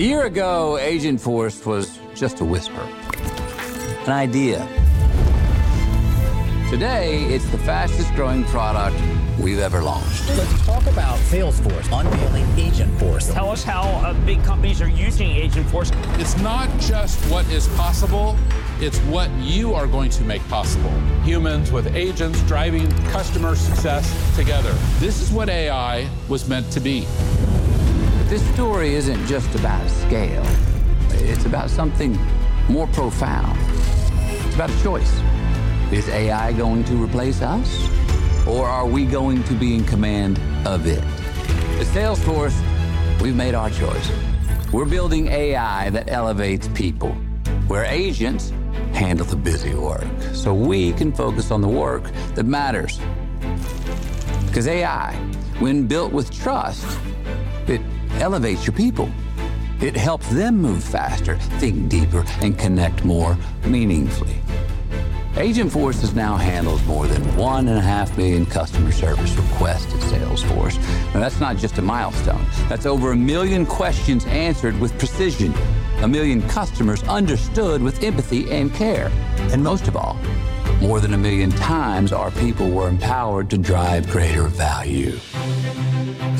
A year ago, Agentforce was just a whisper, an idea. Today, it's the fastest growing product we've ever launched. Let's talk about Salesforce unveiling Agentforce. Tell us how big companies are using Agentforce. It's not just what is possible. It's what you are going to make possible. Humans with agents driving customer success together. This is what AI was meant to be. This story isn't just about scale. It's about something more profound. It's about a choice. Is AI going to replace us? Are we going to be in command of it? At Salesforce, we've made our choice. We're building AI that elevates people, where agents handle the busy work so we can focus on the work that matters. Because AI, when built with trust, elevates your people. It helps them move faster, think deeper, and connect more meaningfully. Agentforce has now handled more than 1.5 million customer service requests at Salesforce. That's not just a milestone. That's over a 1 million questions answered with precision, a 1 million customers understood with empathy and care. Most of all, more than a 1 million times our people were empowered to drive greater value.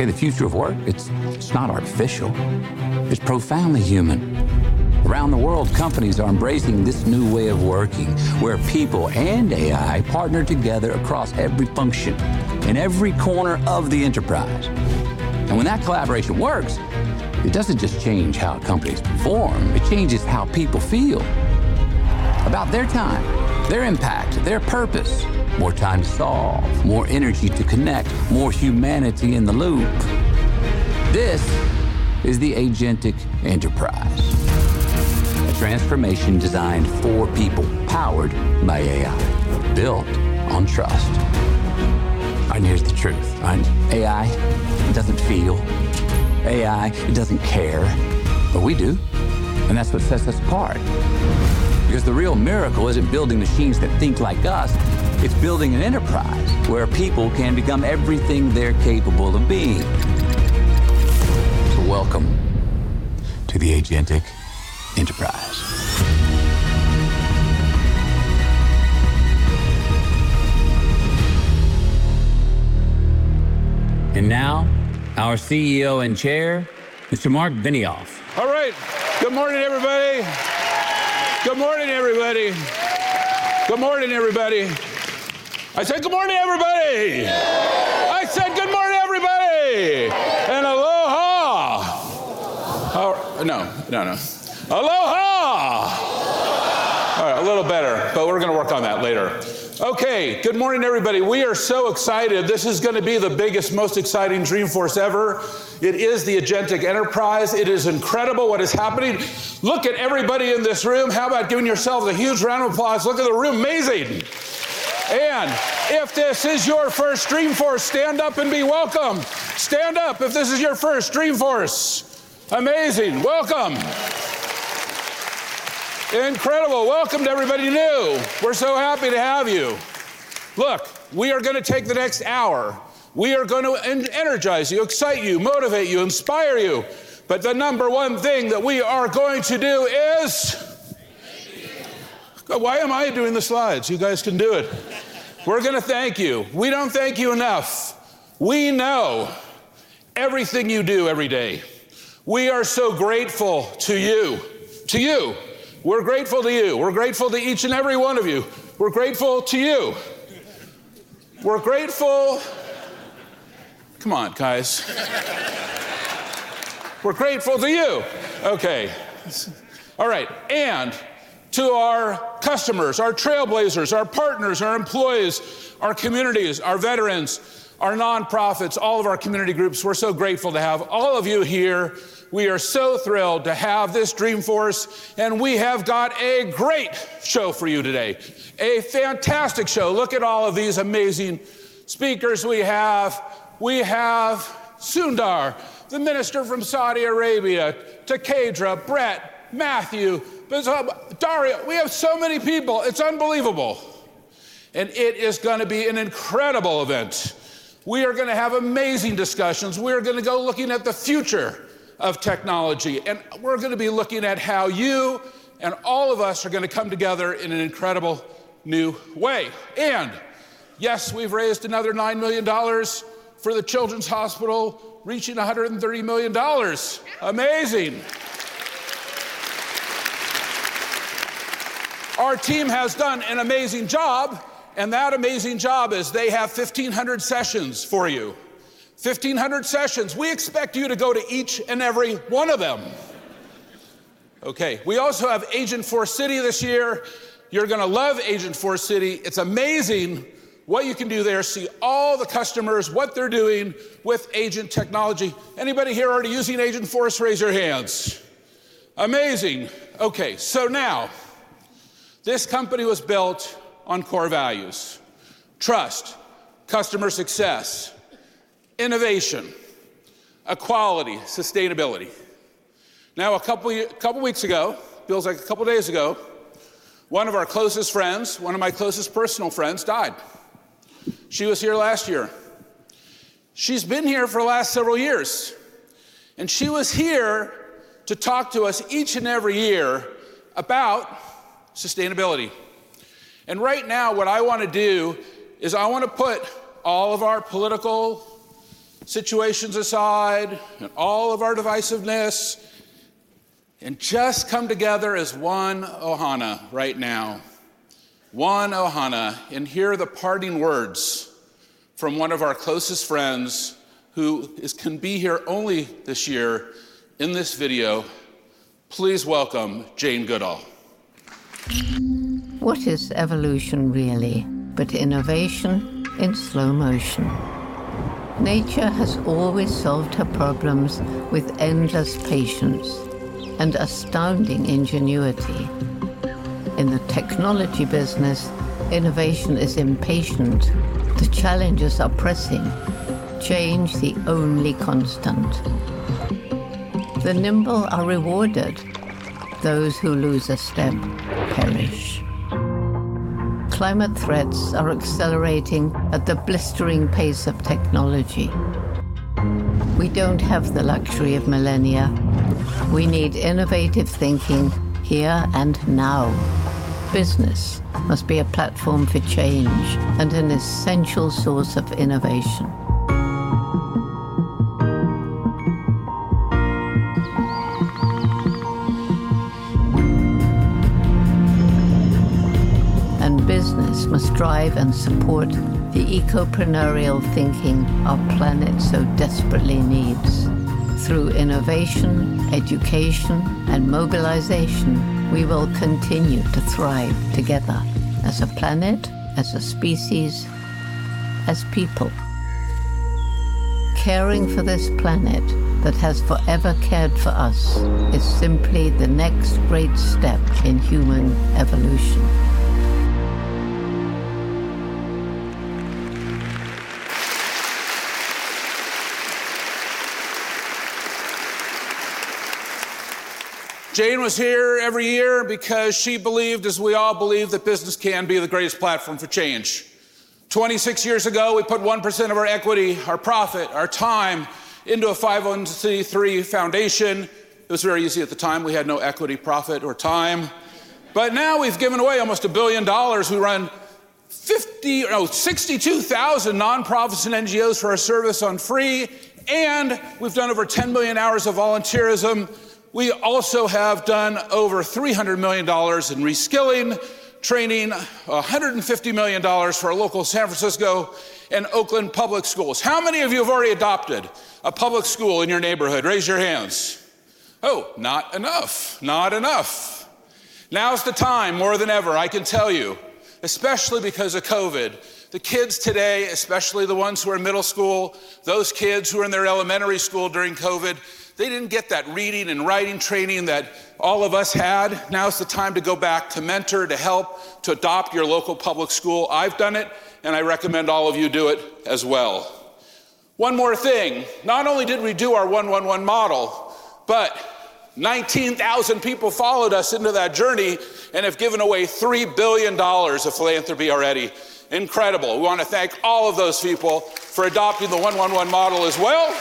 In the future of work, it's not artificial. It's profoundly human. Around the world, companies are embracing this new way of working, where people and AI partner together across every function, in every corner of the enterprise. When that collaboration works, it doesn't just change how companies perform. It changes how people feel about their time, their impact, their purpose. More time to solve, more energy to connect, more humanity in the loop. This is the Agentic Enterprise, a transformation designed for people, powered by AI, built on trust. Here's the truth. AI doesn't feel. AI doesn't care. We do. That's what sets us apart. The real miracle isn't building machines that think like us. It's building an enterprise where people can become everything they're capable of being. Welcome to the Agentic Enterprise. Now, our CEO and Chair, Mr. Marc Benioff. All right. Good morning, everybody. Good morning, everybody. Good morning, everybody. I said good morning, everybody. I said good morning, everybody. And aloha. No, no, no. Aloha. Aloha. Aloha. All right. A little better. We're going to work on that later. OK. Good morning, everybody. We are so excited. This is going to be the biggest, most exciting Dreamforce ever. It is the Agentic Enterprise. It is incredible what is happening. Look at everybody in this room. How about giving yourselves a huge round of applause? Look at the room. Amazing. If this is your first Dreamforce, stand up and be welcome. Stand up if this is your first Dreamforce. Amazing. Welcome. Incredible. Welcome to everybody new. We're so happy to have you. Look, we are going to take the next hour. We are going to energize you, excite you, motivate you, inspire you. The number one thing that we are going to do is-- Thank you. Why am I doing the slides? You guys can do it. We're going to thank you. We don't thank you enough. We know everything you do every day. We are so grateful to you, to you. We're grateful to you. We're grateful to each and every one of you. We're grateful to you. We're grateful. Come on, guys. We're grateful to you. OK. All right. To our customers, our Trailblazers, our partners, our employees, our communities, our veterans, our nonprofits, all of our community groups, we're so grateful to have all of you here. We are so thrilled to have this Dreamforce. We have got a great show for you today, a fantastic show. Look at all of these amazing speakers we have. We have Sundar, the minister from Saudi Arabia, Takedra, Brett, Matthew, Bizhop, Dario. We have so many people. It's unbelievable. It is going to be an incredible event. We are going to have amazing discussions. We are going to go looking at the future of technology. We're going to be looking at how you and all of us are going to come together in an incredible new way. Yes, we've raised another $9 million for the children's hospital, reaching $130 million. Amazing. Our team has done an amazing job. That amazing job is they have 1,500 sessions for you, 1,500 sessions. We expect you to go to each and every one of them. OK. We also have Agentforce City this year. You're going to love Agentforce City. It's amazing what you can do there, see all the customers, what they're doing with agent technology. Anybody here already using Agentforce? Raise your hands. Amazing. Now, this company was built on core values: Trust, Customer Success, Innovation, Equality, Sustainability. A couple of weeks ago, feels like a couple of days ago, one of our closest friends, one of my closest personal friends, died. She was here last year. She's been here for the last several years. She was here to talk to us each and every year about sustainability. Right now, what I want to do is I want to put all of our political situations aside and all of our divisiveness and just come together as one ohana right now, one ohana. Hear the parting words from one of our closest friends who can be here only this year in this video. Please welcome Jane Goodall. What is evolution really but innovation in slow motion? Nature has always solved her problems with endless patience and astounding ingenuity. In the technology business, innovation is impatient. The challenges are pressing. Change is the only constant. The nimble are rewarded. Those who lose a step perish. Climate threats are accelerating at the blistering pace of technology. We don't have the luxury of millennia. We need innovative thinking here and now. Business must be a platform for change and an essential source of innovation. Business must drive and support the eco-preneurial thinking our planet so desperately needs. Through innovation, education, and mobilization, we will continue to thrive together as a planet, as a species, as people. Caring for this planet that has forever cared for us is simply the next great step in human evolution. Jane was here every year because she believed, as we all believe, that business can be the greatest platform for change. Twenty-six years ago, we put 1% of our equity, our profit, our time into a 501(c)(3) foundation. It was very easy at the time. We had no equity, profit, or time. Now, we've given away almost $1 billion. We run 62,000 nonprofits and NGOs for our service on free. We've done over 10 million hours of volunteerism. We also have done over $300 million in reskilling, training, $150 million for our local San Francisco and Oakland public schools. How many of you have already adopted a public school in your neighborhood? Raise your hands. Not enough. Not enough. Now's the time, more than ever, I can tell you, especially because of COVID. The kids today, especially the ones who are in middle school, those kids who were in their elementary school during COVID, they didn't get that reading and writing training that all of us had. Now's the time to go back to mentor, to help, to adopt your local public school. I've done it. I recommend all of you do it as well. One more thing. Not only did we do our 1-1-1 model, but 19,000 people followed us into that journey and have given away $3 billion of philanthropy already. Incredible. We want to thank all of those people for adopting the 1-1-1 model as well.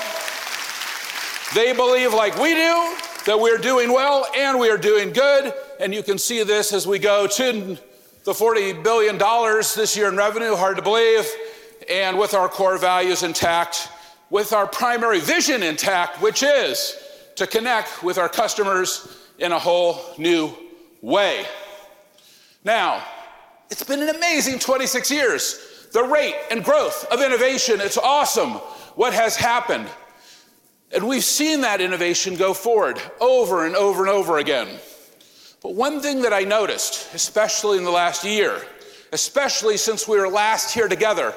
They believe, like we do, that we are doing well and we are doing good. You can see this as we go to the $40 billion this year in revenue. Hard to believe. With our core values intact, with our primary vision intact, which is to connect with our customers in a whole new way. It's been an amazing 26 years. The rate and growth of innovation, it's awesome. What has happened? We've seen that innovation go forward over and over and over again. One thing that I noticed, especially in the last year, especially since we were last here together,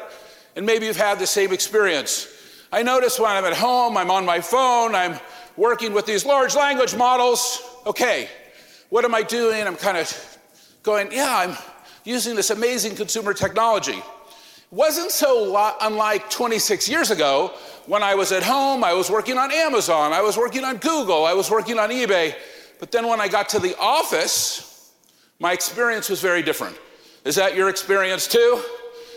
and maybe you've had the same experience, I noticed when I'm at home, I'm on my phone, I'm working with these large language models, OK, what am I doing? I'm kind of going, yeah, I'm using this amazing consumer technology. It wasn't so unlike 26 years ago when I was at home, I was working on Amazon, I was working on Google, I was working on eBay. When I got to the office, my experience was very different. Is that your experience too?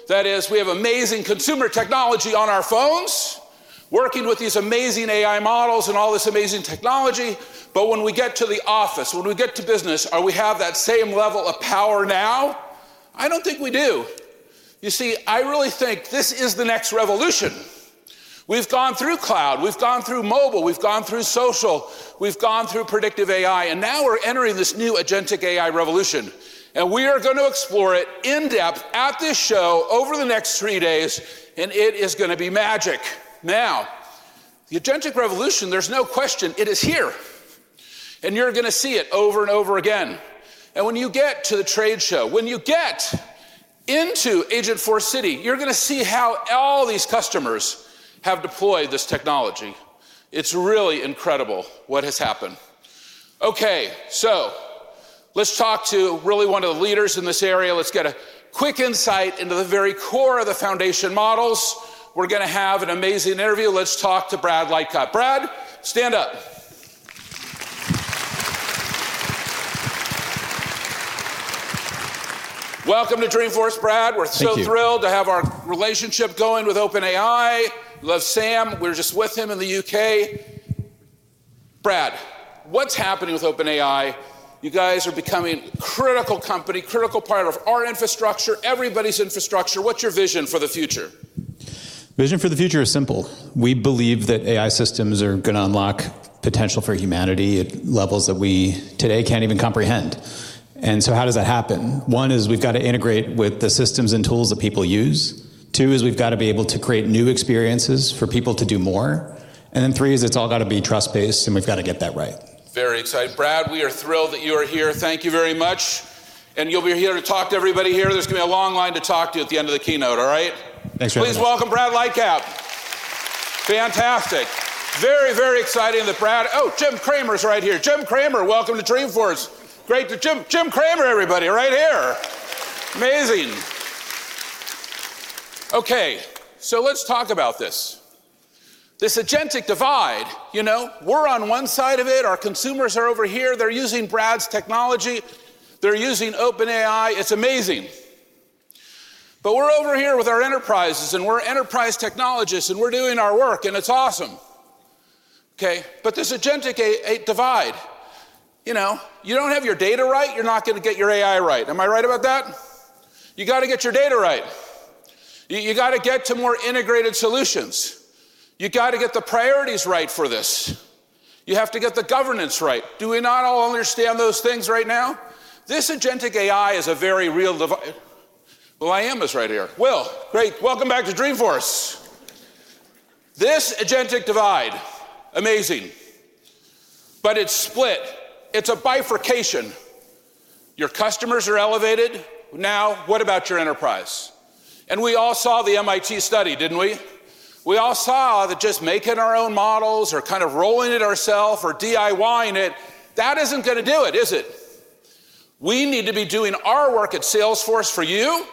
We have amazing consumer technology on our phones, working with these amazing AI models and all this amazing technology. When we get to the office, when we get to business, do we have that same level of power now? I don't think we do. I really think this is the next revolution. We've gone through cloud. We've gone through mobile. We've gone through social. We've gone through predictive AI. Now we're entering this new agentic AI revolution. We are going to explore it in depth at this show over the next three days, and it is going to be magic. The agentic revolution, there's no question, it is here. You're going to see it over and over again. When you get to the trade show, when you get into Agentforce City, you're going to see how all these customers have deployed this technology. It's really incredible what has happened. Let's talk to one of the leaders in this area. Let's get a quick insight into the very core of the foundation models. We're going to have an amazing interview. Let's talk to Brad Lightcap. Brad, stand up. Welcome to Dreamforce, Brad. We're so thrilled to have our relationship going with OpenAI. Love Sam. We were just with him in the U.K. Brad, what's happening with OpenAI? You guys are becoming a critical company, a critical part of our infrastructure, everybody's infrastructure. What's your vision for the future? vision for the future is simple. We believe that AI systems are going to unlock potential for humanity at levels that we today can't even comprehend. How does that happen? One is we've got to integrate with the systems and tools that people use. Two is we've got to be able to create new experiences for people to do more. Three is it's all got to be trust-based, and we've got to get that right. Very exciting. Brad, we are thrilled that you are here. Thank you very much. You will be here to talk to everybody here. There is going to be a long line to talk to you at the end of the keynote, all right? Thanks, James. Please welcome Brad Lightcap. Fantastic. Very, very exciting that Brad, oh, Jim Cramer's right here. Jim Cramer, welcome to Dreamforce. Great to Jim Cramer, everybody, right here. Amazing. OK. Let's talk about this, this agentic divide. We're on one side of it. Our consumers are over here. They're using Brad's technology. They're using OpenAI. It's amazing. We're over here with our enterprises. We're enterprise technologists. We're doing our work. It's awesome. This agentic divide, you know, you don't have your data right, you're not going to get your AI right. Am I right about that? You've got to get your data right. You've got to get to more integrated solutions. You've got to get the priorities right for this. You have to get the governance right. Do we not all understand those things right now? This agentic AI is a very real divide. Great. Welcome back to Dreamforce. This agentic divide, amazing. It's split. It's a bifurcation. Your customers are elevated. Now, what about your enterprise? We all saw the MIT study, didn't we? We all saw that just making our own models or kind of rolling it ourselves or DIYing it, that isn't going to do it, is it? We need to be doing our work at Salesforce for you.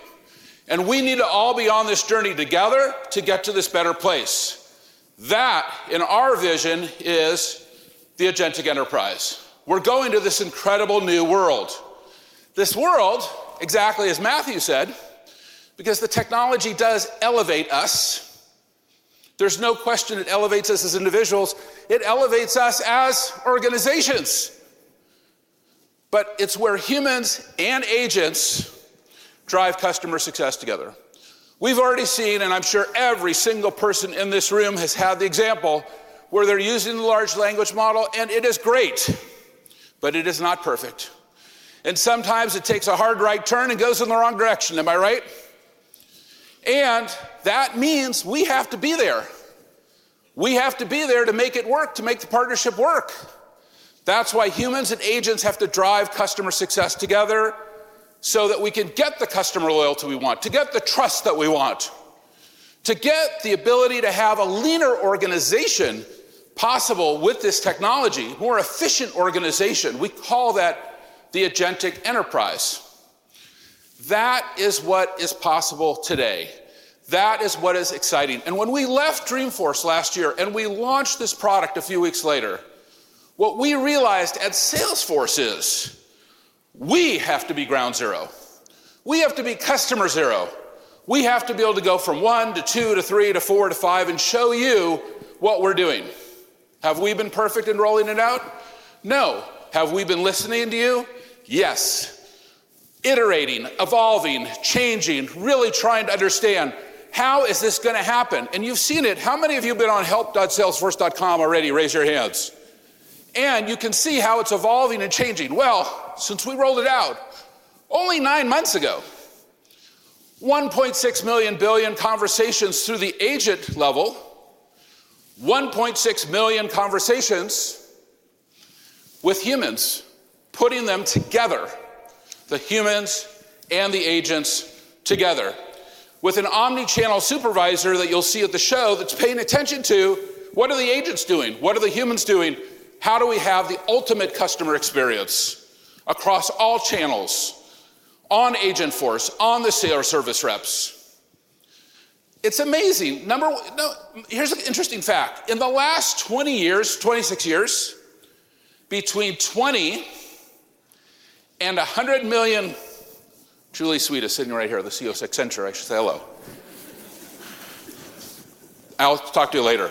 We need to all be on this journey together to get to this better place. That, in our vision, is the Agentic Enterprise. We're going to this incredible new world, this world, exactly as Matthew said, because the technology does elevate us. There's no question it elevates us as individuals. It elevates us as organizations. It's where humans and agents drive customer success together. We've already seen, and I'm sure every single person in this room has had the example where they're using the large language model. It is great. It is not perfect. Sometimes it takes a hard right turn and goes in the wrong direction. Am I right? That means we have to be there. We have to be there to make it work, to make the partnership work. That's why humans and agents have to drive customer success together so that we can get the customer loyalty we want, to get the trust that we want, to get the ability to have a leaner organization possible with this technology, more efficient organization. We call that the Agentic Enterprise. That is what is possible today. That is what is exciting. When we left Dreamforce last year and we launched this product a few weeks later, what we realized at Salesforce is we have to be ground zero. We have to be customer zero. We have to be able to go from one to two to three to four to five and show you what we're doing. Have we been perfect in rolling it out? No. Have we been listening to you? Yes. Iterating, evolving, changing, really trying to understand how is this going to happen? You've seen it. How many of you have been on help.salesforce.com already? Raise your hands. You can see how it's evolving and changing. Since we rolled it out only nine months ago, 1.6 million conversations through the agent level, 1.6 million conversations with humans, putting them together, the humans and the agents together, with an omnichannel supervisor that you'll see at the show that's paying attention to what are the agents doing, what are the humans doing, how do we have the ultimate customer experience across all channels on Agentforce, on the sales service reps. It's amazing. Here's an interesting fact. In the last 26 years, between 20 million and 100 million—Julie Sweet is sitting right here as the CEO of Accenture. I should say hello. I'll talk to you later.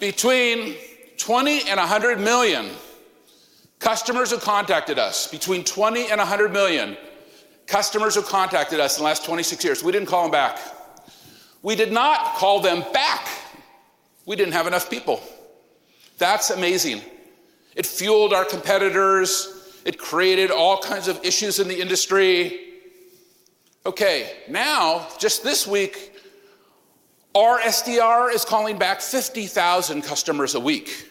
Between 20 million and 100 million customers who contacted us in the last 26 years, we didn't call them back. We did not call them back. We didn't have enough people. That's amazing. It fueled our competitors. It created all kinds of issues in the industry. Now, just this week, our SDR is calling back 50,000 customers a week.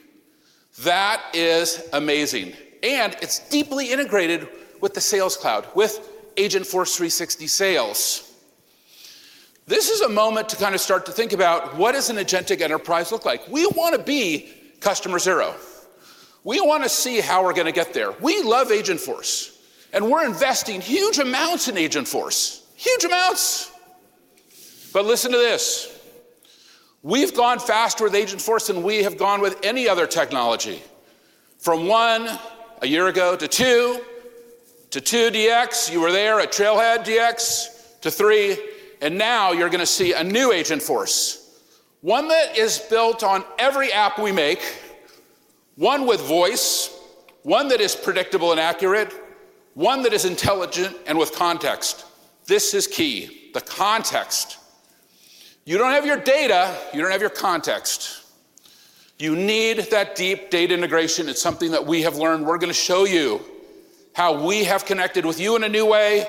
That is amazing. It's deeply integrated with the Sales Cloud, with Agentforce 360 Sales. This is a moment to kind of start to think about what does an Agentic Enterprise look like. We want to be customer zero. We want to see how we're going to get there. We love Agentforce. We're investing huge amounts in Agentforce, huge amounts. Listen to this. We've gone faster with Agentforce than we have gone with any other technology. From one, a year ago, to two, to two DX, you were there at Trailhead DX, to three, and now you're going to see a new Agentforce, one that is built on every app we make, one with voice, one that is predictable and accurate, one that is intelligent and with context. This is key, the context. You don't have your data. You don't have your context. You need that deep data integration. It's something that we have learned. We're going to show you how we have connected with you in a new way.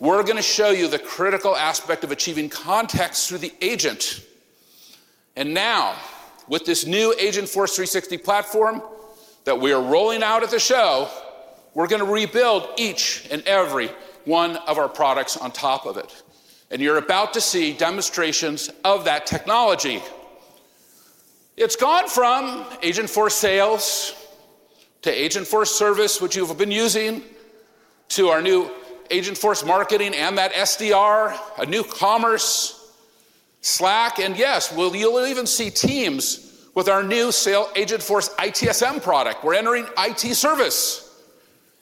We're going to show you the critical aspect of achieving context through the agent. Now, with this new Agentforce 360 platform that we are rolling out at the show, we're going to rebuild each and every one of our products on top of it. You're about to see demonstrations of that technology. It's gone from Agentforce Sales to Agentforce Service, which you've been using, to our new Agentforce Marketing and that SDR, a new Commerce, Slack. Yes, you'll even see Teams with our new Agentforce ITSM product. We're entering IT Service,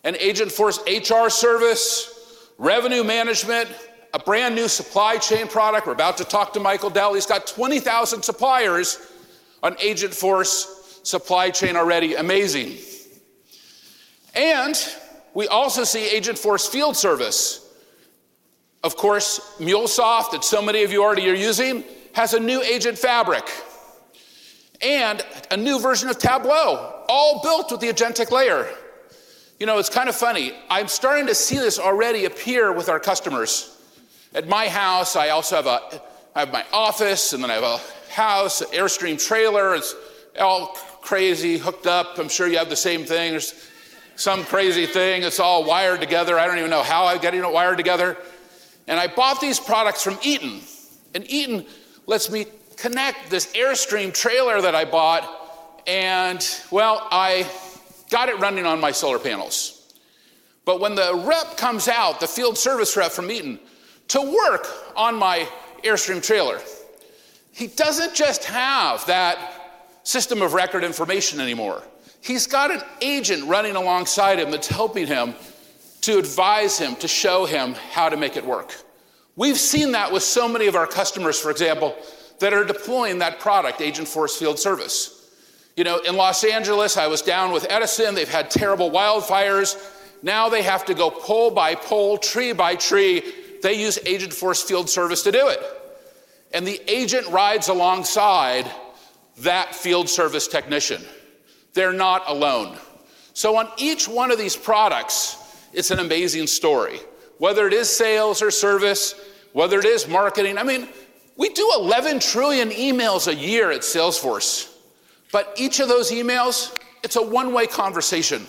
an Agentforce HR Service, revenue management, a brand new supply chain product. We're about to talk to Michael Dell. He's got 20,000 suppliers on Agentforce supply chain already. Amazing. We also see Agentforce Field Service. Of course, MuleSoft that so many of you already are using has a new agent fabric and a new version of Tableau, all built with the agentic layer. You know, it's kind of funny. I'm starting to see this already appear with our customers. At my house, I also have my office. I have a house, an Airstream trailer. It's all crazy hooked up. I'm sure you have the same thing. There's some crazy thing. It's all wired together. I don't even know how I'm getting it wired together. I bought these products from Eaton. Eaton lets me connect this Airstream trailer that I bought. I got it running on my solar panels. When the rep comes out, the field service rep from Eaton, to work on my Airstream trailer, he doesn't just have that system of record information anymore. He's got an agent running alongside him that's helping him to advise him, to show him how to make it work. We've seen that with so many of our customers, for example, that are deploying that product, Agentforce Field Service. In Los Angeles, I was down with Edison. They've had terrible wildfires. Now they have to go pole-by-pole, tree-by-tree. They use Agentforce Field Service to do it. The agent rides alongside that field service technician. They're not alone. On each one of these products, it's an amazing story. Whether it is sales or service, whether it is marketing, I mean, we do 11 trillion emails a year at Salesforce. Each of those emails, it's a one-way conversation.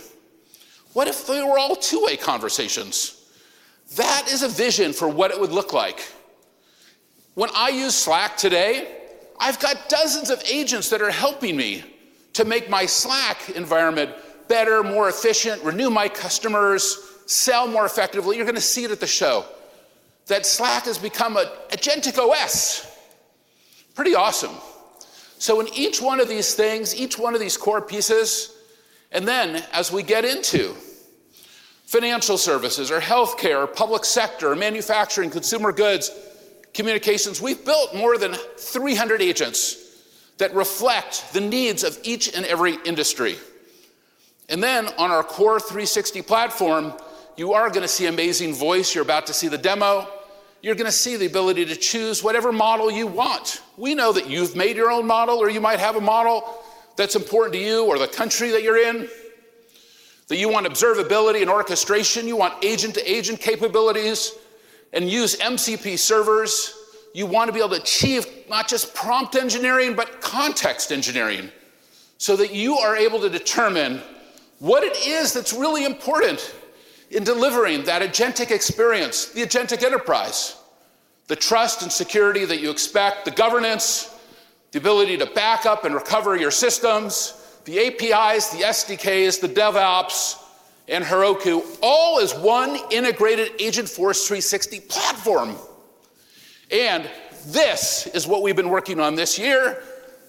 What if they were all two-way conversations? That is a vision for what it would look like. When I use Slack today, I've got dozens of agents that are helping me to make my Slack environment better, more efficient, renew my customers, sell more effectively. You're going to see it at the show that Slack has become an agentic OS. Pretty awesome. In each one of these things, each one of these core pieces, as we get into financial services or health care or public sector, manufacturing, consumer goods, communications, we've built more than 300 agents that reflect the needs of each and every industry. On our Core 360 platform, you are going to see amazing voice. You're about to see the demo. You're going to see the ability to choose whatever model you want. We know that you've made your own model, or you might have a model that's important to you or the country that you're in, that you want observability and orchestration, you want agent-to-agent capabilities, and use MCP servers. You want to be able to achieve not just prompt engineering, but context engineering so that you are able to determine what it is that's really important in delivering that agentic experience, the Agentic Enterprise, the trust and security that you expect, the governance, the ability to back up and recover your systems, the APIs, the SDKs, the DevOps, and Heroku, all as one integrated Agentforce 360 platform. This is what we've been working on this year.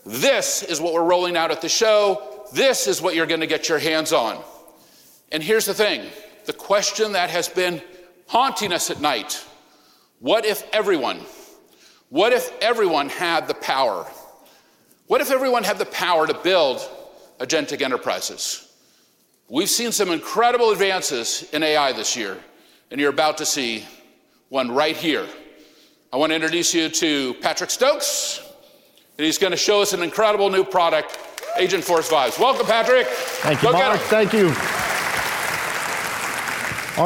This is what we're rolling out at the show. This is what you're going to get your hands on. Here's the thing, the question that has been haunting us at night. What if everyone had the power? What if everyone had the power to build Agentic Enterprises? We've seen some incredible advances in AI this year. You're about to see one right here. I want to introduce you to Patrick Stokes. He's going to show us an incredible new product, Agentforce Vibes. Welcome, Patrick. Thank you. All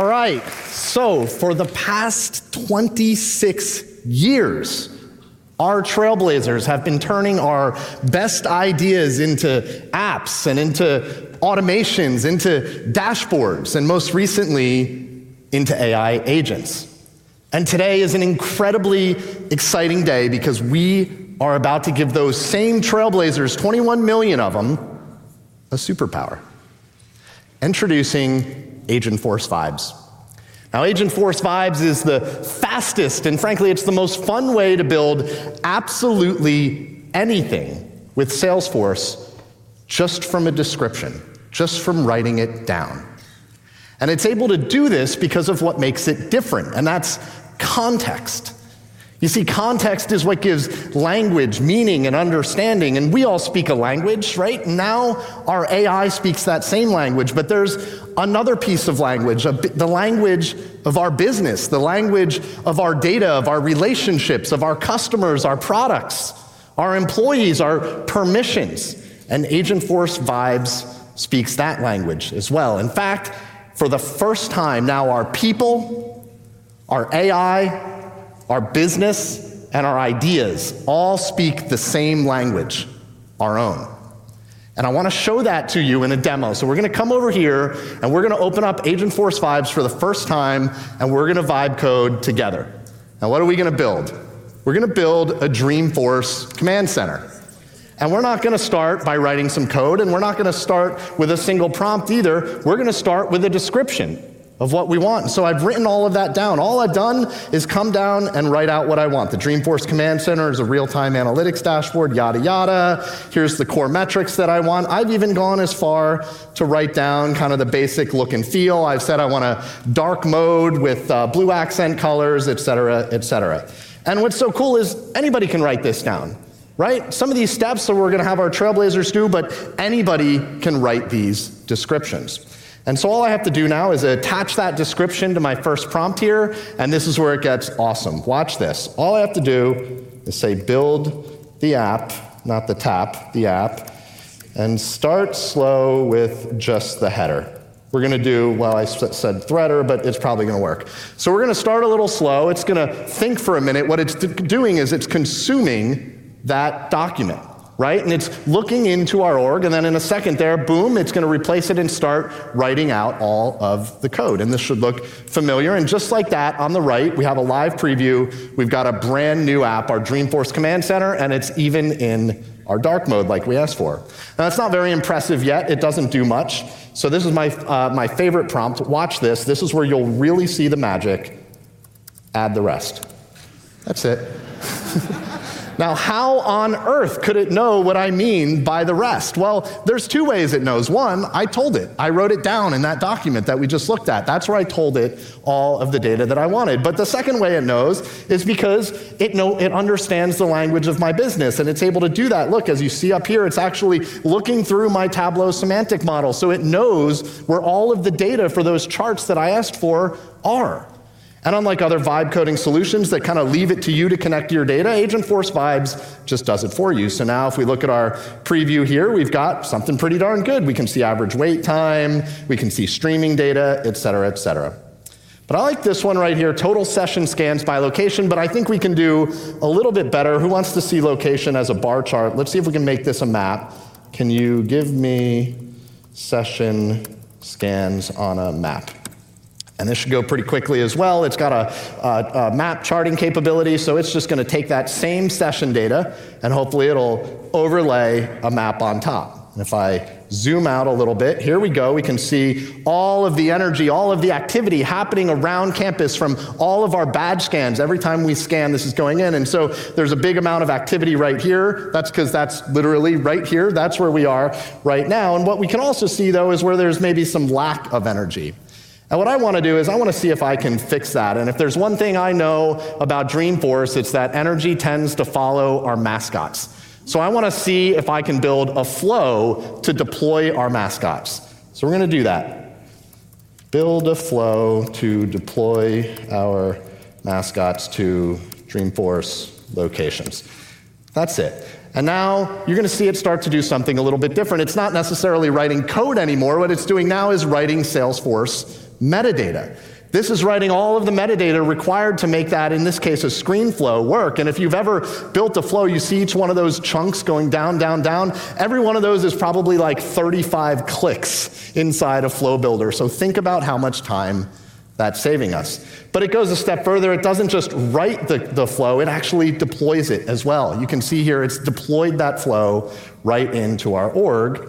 right. For the past 26 years, our trailblazers have been turning our best ideas into apps and into automations, into dashboards, and most recently, into AI agents. Today is an incredibly exciting day because we are about to give those same trailblazers, 21 million of them, a superpower, introducing Agentforce Vibes. Now, Agentforce Vibes is the fastest, and frankly, it's the most fun way to build absolutely anything with Salesforce just from a description, just from writing it down. It's able to do this because of what makes it different, and that's context. You see, context is what gives language meaning and understanding. We all speak a language, right? Now, our AI speaks that same language. There's another piece of language, the language of our business, the language of our data, of our relationships, of our customers, our products, our employees, our permissions. Agentforce Vibes speaks that language as well. In fact, for the first time now, our people, our AI, our business, and our ideas all speak the same language, our own. I want to show that to you in a demo. We're going to come over here. We're going to open up Agentforce Vibes for the first time. We're going to vibe code together. What are we going to build? We're going to build a Dreamforce command center. We're not going to start by writing some code. We're not going to start with a single prompt either. We're going to start with a description of what we want. I've written all of that down. All I've done is come down and write out what I want. The Dreamforce command center is a real-time analytics dashboard, yada yada. Here's the core metrics that I want. I've even gone as far to write down kind of the basic look and feel. I've said I want a dark mode with blue accent colors, etc., etc. What's so cool is anybody can write this down, right? Some of these steps that we're going to have our trailblazers do, but anybody can write these descriptions. All I have to do now is attach that description to my first prompt here. This is where it gets awesome. Watch this. All I have to do is say, build the app, not the tap, the app, and start slow with just the header. We're going to do, I said threader, but it's probably going to work. We're going to start a little slow. It's going to think for a minute. What it's doing is it's consuming that document, right? It is looking into our org. In a second, boom, it is going to replace it and start writing out all of the code. This should look familiar. Just like that, on the right, we have a live preview. We have a brand new app, our Dreamforce command center. It is even in our dark mode like we asked for. That is not very impressive yet. It does not do much. This is my favorite prompt. Watch this. This is where you will really see the magic. Add the rest. That is it. How on earth could it know what I mean by the rest? There are two ways it knows. One, I told it. I wrote it down in that document that we just looked at. That is where I told it all of the data that I wanted. The second way it knows is because it understands the language of my business. It is able to do that. Look, as you see up here, it is actually looking through my Tableau semantic model. It knows where all of the data for those charts that I asked for are. Unlike other vibe coding solutions that kind of leave it to you to connect your data, Agentforce Vibes just does it for you. If we look at our preview here, we have something pretty darn good. We can see average wait time. We can see streaming data, etc., etc. I like this one right here, total session scans by location. I think we can do a little bit better. Who wants to see location as a bar chart? Let us see if we can make this a map. Can you give me session scans on a map? This should go pretty quickly as well. It has a map charting capability. It is just going to take that same session data. Hopefully, it will overlay a map on top. If I zoom out a little bit, here we go. We can see all of the energy, all of the activity happening around campus from all of our badge scans. Every time we scan, this is going in. There is a big amount of activity right here. That is because that is literally right here. That is where we are right now. What we can also see, though, is where there is maybe some lack of energy. What I want to do is see if I can fix that. If there is one thing I know about Dreamforce, it is that energy tends to follow our mascots. I want to see if I can build a flow to deploy our mascots. We are going to do that, build a flow to deploy our mascots to Dreamforce locations. That is it. Now, you are going to see it start to do something a little bit different. It is not necessarily writing code anymore. What it's doing now is writing Salesforce metadata. This is writing all of the metadata required to make that, in this case, a screen flow work. If you've ever built a flow, you see each one of those chunks going down, down, down. Every one of those is probably like 35 clicks inside a flow builder. Think about how much time that's saving us. It goes a step further. It doesn't just write the flow. It actually deploys it as well. You can see here, it's deployed that flow right into our org.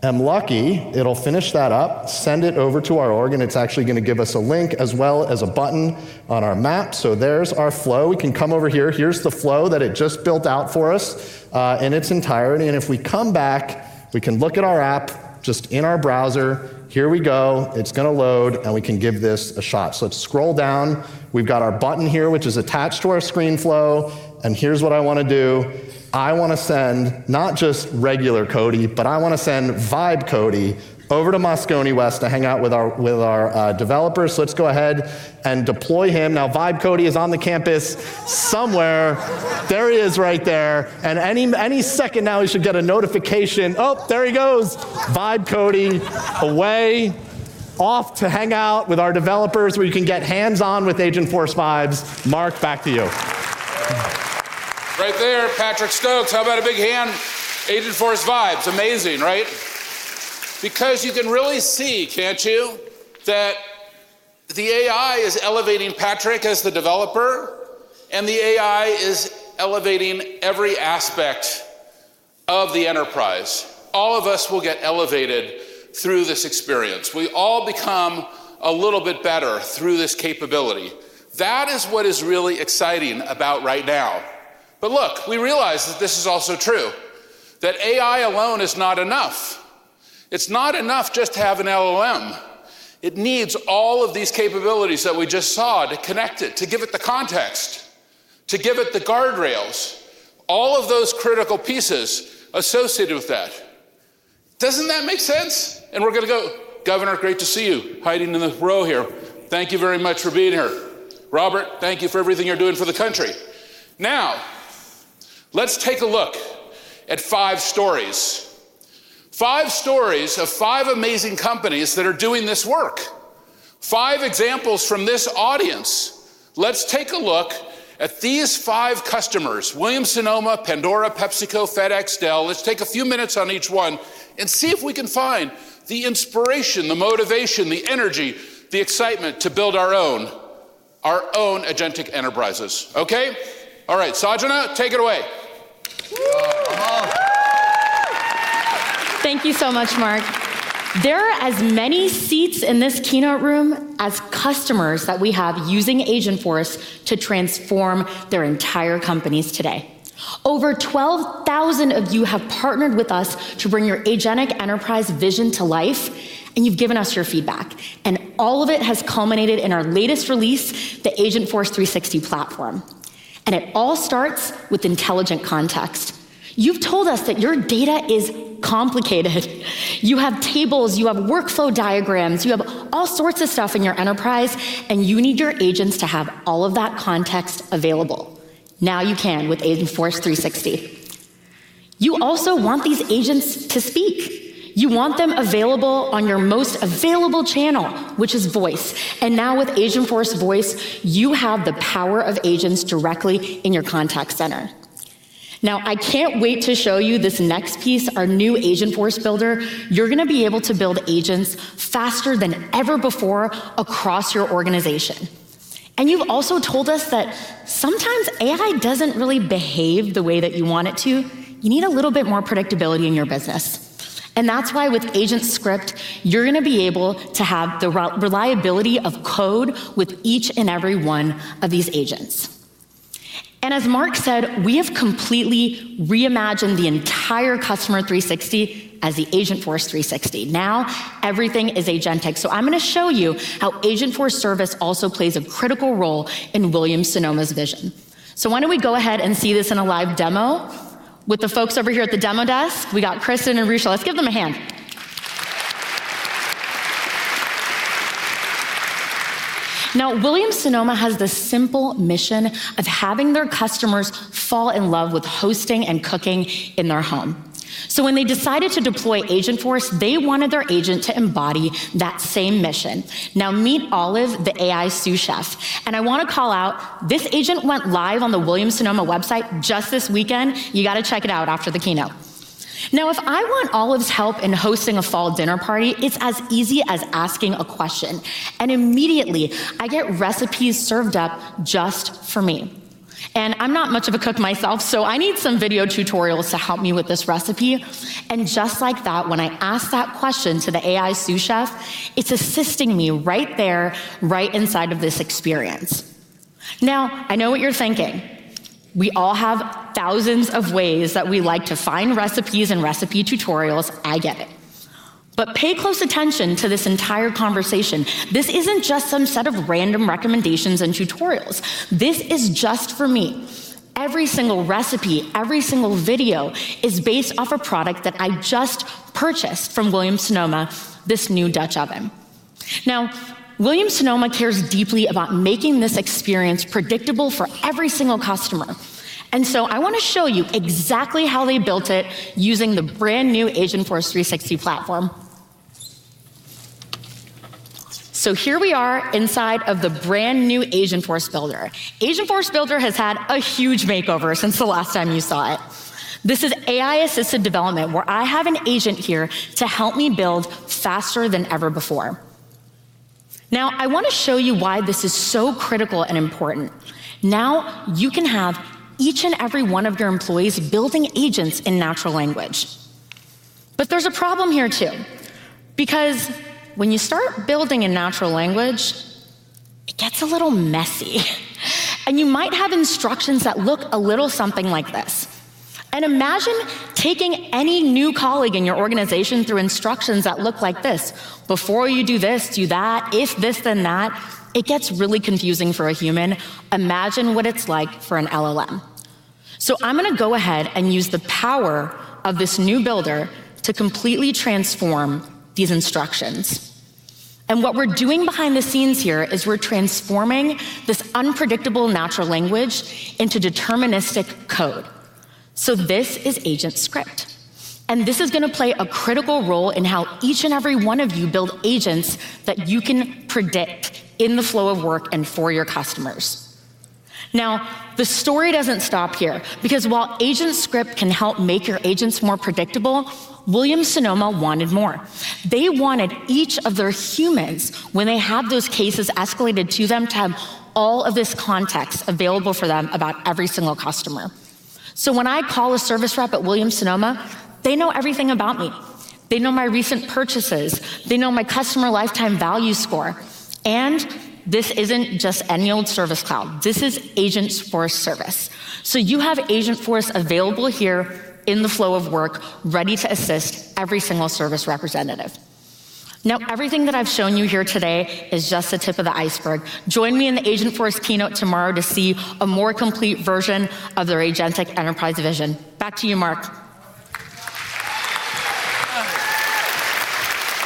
If I am lucky, it'll finish that up, send it over to our org. It's actually going to give us a link as well as a button on our map. There's our flow. We can come over here. Here's the flow that it just built out for us in its entirety. If we come back, we can look at our app just in our browser. Here we go. It's going to load. We can give this a shot. Let's scroll down. We've got our button here, which is attached to our screen flow. Here's what I want to do. I want to send not just regular Cody, but I want to send Vibe Cody over to Moscone West to hang out with our developers. Let's go ahead and deploy him. Now, Vibe Cody is on the campus somewhere. There he is right there. Any second now, he should get a notification. Oh, there he goes, Vibe Cody away off to hang out with our developers where you can get hands-on with Agentforce Vibes. Marc, back to you. Right there, Patrick Stokes. How about a big hand? Agentforce Vibes, amazing, right? You can really see, can't you, that the AI is elevating Patrick as the developer, and the AI is elevating every aspect of the enterprise. All of us will get elevated through this experience. We all become a little bit better through this capability. That is what is really exciting about right now. We realize that this is also true, that AI alone is not enough. It's not enough just to have an LLM. It needs all of these capabilities that we just saw to connect it, to give it the context, to give it the guardrails, all of those critical pieces associated with that. Doesn't that make sense? We're going to go, Governor, great to see you hiding in the row here. Thank you very much for being here. Robert, thank you for everything you're doing for the country. Now, let's take a look at five stories, five stories of five amazing companies that are doing this work, five examples from this audience. Let's take a look at these five customers: Williams-Sonoma, Pandora, PepsiCo, FedEx, Dell. Let's take a few minutes on each one and see if we can find the inspiration, the motivation, the energy, the excitement to build our own, our own Agentic Enterprises. OK? All right, Sanjna, take it away. Thank you so much, Marc. There are as many seats in this keynote room as customers that we have using Agentforce to transform their entire companies today. Over 12,000 of you have partnered with us to bring your Agentic Enterprise vision to life. You've given us your feedback, and all of it has culminated in our latest release, the Agentforce 360 platform. It all starts with intelligent context. You've told us that your data is complicated. You have tables, you have workflow diagrams, you have all sorts of stuff in your enterprise, and you need your agents to have all of that context available. Now you can with Agentforce 360. You also want these agents to speak. You want them available on your most available channel, which is voice. Now, with Agentforce Voice, you have the power of agents directly in your contact center. I can't wait to show you this next piece, our new Agentforce Builder. You're going to be able to build agents faster than ever before across your organization. You've also told us that sometimes AI doesn't really behave the way that you want it to. You need a little bit more predictability in your business. That's why with Agent Script, you're going to be able to have the reliability of code with each and every one of these agents. As Marc said, we have completely reimagined the entire Customer 360 as the Agentforce 360. Now everything is agentic. I'm going to show you how Agentforce Service also plays a critical role in Williams-Sonoma's vision. Why don't we go ahead and see this in a live demo with the folks over here at the demo desk? We got Kristen and Rucha. Let's give them a hand. Now, Williams-Sonoma has the simple mission of having their customers fall in love with hosting and cooking in their home. When they decided to deploy Agentforce, they wanted their agent to embody that same mission. Now, meet Olive, the AI sous chef. I want to call out, this agent went live on the Williams-Sonoma website just this weekend. You got to check it out after the keynote. If I want Olive's help in hosting a fall dinner party, it's as easy as asking a question. Immediately, I get recipes served up just for me. I'm not much of a cook myself, so I need some video tutorials to help me with this recipe. Just like that, when I ask that question to the AI sous chef, it's assisting me right there, right inside of this experience. Now, I know what you're thinking. We all have thousands of ways that we like to find recipes and recipe tutorials. I get it. Pay close attention to this entire conversation. This isn't just some set of random recommendations and tutorials. This is just for me. Every single recipe, every single video is based off a product that I just purchased from Williams-Sonoma, this new Dutch oven. Now, Williams-Sonoma cares deeply about making this experience predictable for every single customer. I want to show you exactly how they built it using the brand new Agentforce 360 platform. Here we are inside of the brand new Agentforce Builder. Agentforce Builder has had a huge makeover since the last time you saw it. This is AI-assisted development where I have an agent here to help me build faster than ever before. I want to show you why this is so critical and important. You can have each and every one of your employees building agents in natural language. There's a problem here too, because when you start building in natural language, it gets a little messy. You might have instructions that look a little something like this. Imagine taking any new colleague in your organization through instructions that look like this. Before you do this, do that. If this, then that. It gets really confusing for a human. Imagine what it's like for an LLM. I'm going to go ahead and use the power of this new builder to completely transform these instructions. What we're doing behind the scenes here is we're transforming this unpredictable natural language into deterministic code. This is Agent Script. This is going to play a critical role in how each and every one of you build agents that you can predict in the flow of work and for your customers. The story doesn't stop here. While Agent Script can help make your agents more predictable, Williams-Sonoma wanted more. They wanted each of their humans, when they had those cases escalated to them, to have all of this context available for them about every single customer. When I call a service rep at Williams-Sonoma, they know everything about me. They know my recent purchases. They know my customer lifetime value score. This isn't just any old Service Cloud. This is Agentforce Service. You have Agentforce available here in the flow of work, ready to assist every single service representative. Everything that I've shown you here today is just the tip of the iceberg. Join me in the Agentforce keynote tomorrow to see a more complete version of their Agentic Enterprise vision. Back to you, Marc.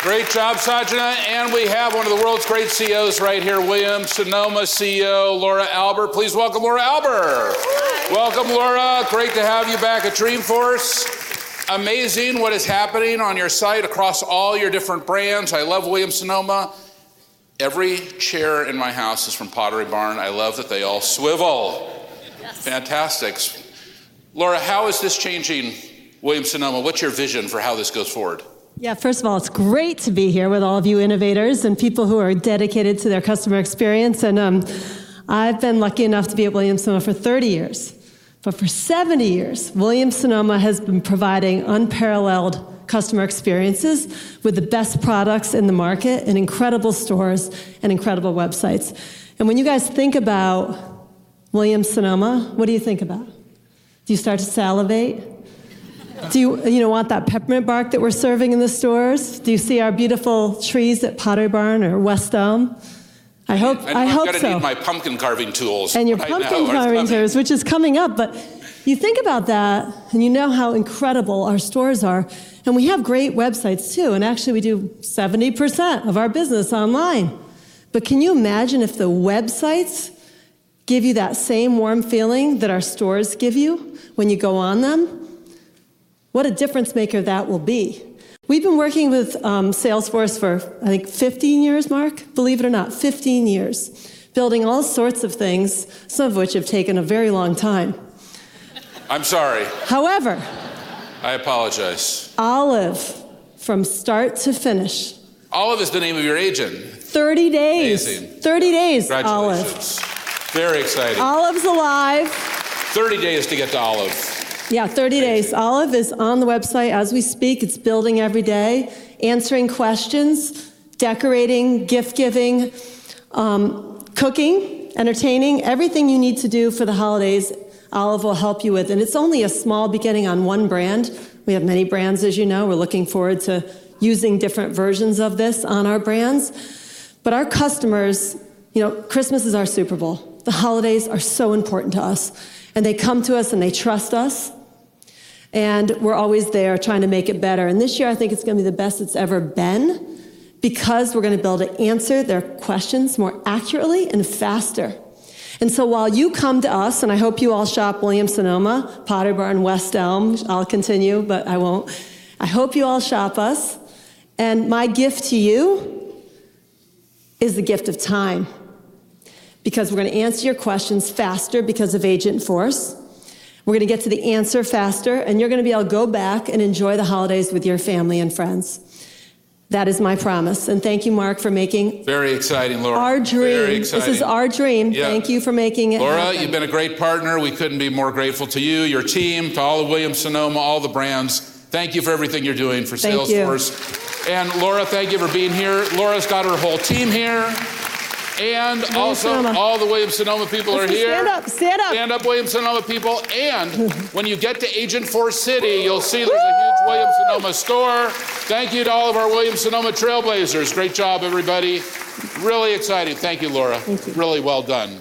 Great job, Sanjna. We have one of the world's great CEOs right here, Williams-Sonoma CEO, Laura Alber. Please welcome Laura Alber. Welcome, Laura. Great to have you back at Dreamforce. Amazing what is happening on your site across all your different brands. I love Williams-Sonoma. Every chair in my house is from Pottery Barn. I love that they all swivel. Fantastic. Laura, how is this changing Williams-Sonoma? What's your vision for how this goes forward? First of all, it's great to be here with all of you innovators and people who are dedicated to their customer experience. I've been lucky enough to be at Williams-Sonoma for 30 years. For 70 years, Williams-Sonoma has been providing unparalleled customer experiences with the best products in the market, incredible stores, and incredible websites. When you think about Williams-Sonoma, what do you think about? Do you start to salivate? Do you want that peppermint bark that we're serving in the stores? Do you see our beautiful trees at Pottery Barn or West Elm? I hope so. I'm going to need my pumpkin carving tools. Your pumpkin carving tools, which is coming up. You think about that. You know how incredible our stores are. We have great websites too. Actually, we do 70% of our business online. Can you imagine if the websites give you that same warm feeling that our stores give you when you go on them? What a difference maker that will be. We've been working with Salesforce for, I think, 15 years, Marc, believe it or not, 15 years, building all sorts of things, some of which have taken a very long time. I'm sorry. However. I apologize. Olive, from start to finish. Olive is the name of your agent. 30 days. Amazing. 30 days, Olive. Very exciting. Olive's alive. 30 days to get to Olive. Yeah, 30 days. Olive is on the website as we speak. It's building every day, answering questions, decorating, gift giving, cooking, entertaining, everything you need to do for the holidays, Olive will help you with. It's only a small beginning on one brand. We have many brands, as you know. We're looking forward to using different versions of this on our brands. Our customers, you know, Christmas is our Super Bowl. The holidays are so important to us. They come to us. They trust us. We're always there trying to make it better. This year, I think it's going to be the best it's ever been because we're going to be able to answer their questions more accurately and faster. While you come to us, and I hope you all shop Williams-Sonoma, Pottery Barn, West Elm. I'll continue, but I won't. I hope you all shop us. My gift to you is the gift of time because we're going to answer your questions faster because of Agentforce. We're going to get to the answer faster. You're going to be able to go back and enjoy the holidays with your family and friends. That is my promise. Thank you, Marc, for making. Very exciting, Laura. Our dream. Very exciting. This is our dream. Thank you for making it. Laura, you've been a great partner. We couldn't be more grateful to you, your team, to all of Williams-Sonoma, all the brands. Thank you for everything you're doing for Salesforce. Thank you for being here. Laura's got her whole team here. Also, all the Williams-Sonoma people are here. Stand up. Stand up. Stand up, Williams-Sonoma people. When you get to Agentforce City, you'll see there's a huge Williams-Sonoma store. Thank you to all of our Williams-Sonoma trailblazers. Great job, everybody. Really exciting. Thank you, Laura. Thank you. Really well done.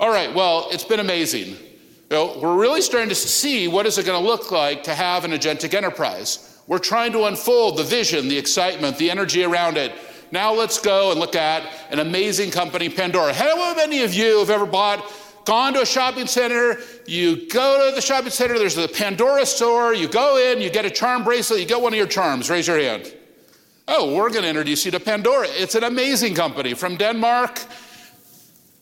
All right. It's been amazing. We're really starting to see what is it going to look like to have an Agentic Enterprise. We're trying to unfold the vision, the excitement, the energy around it. Now, let's go and look at an amazing company, Pandora. How many of you have ever gone to a shopping center? You go to the shopping center. There's a Pandora store. You go in. You get a charm bracelet. You get one of your charms. Raise your hand. We're going to introduce you to Pandora. It's an amazing company, from Denmark.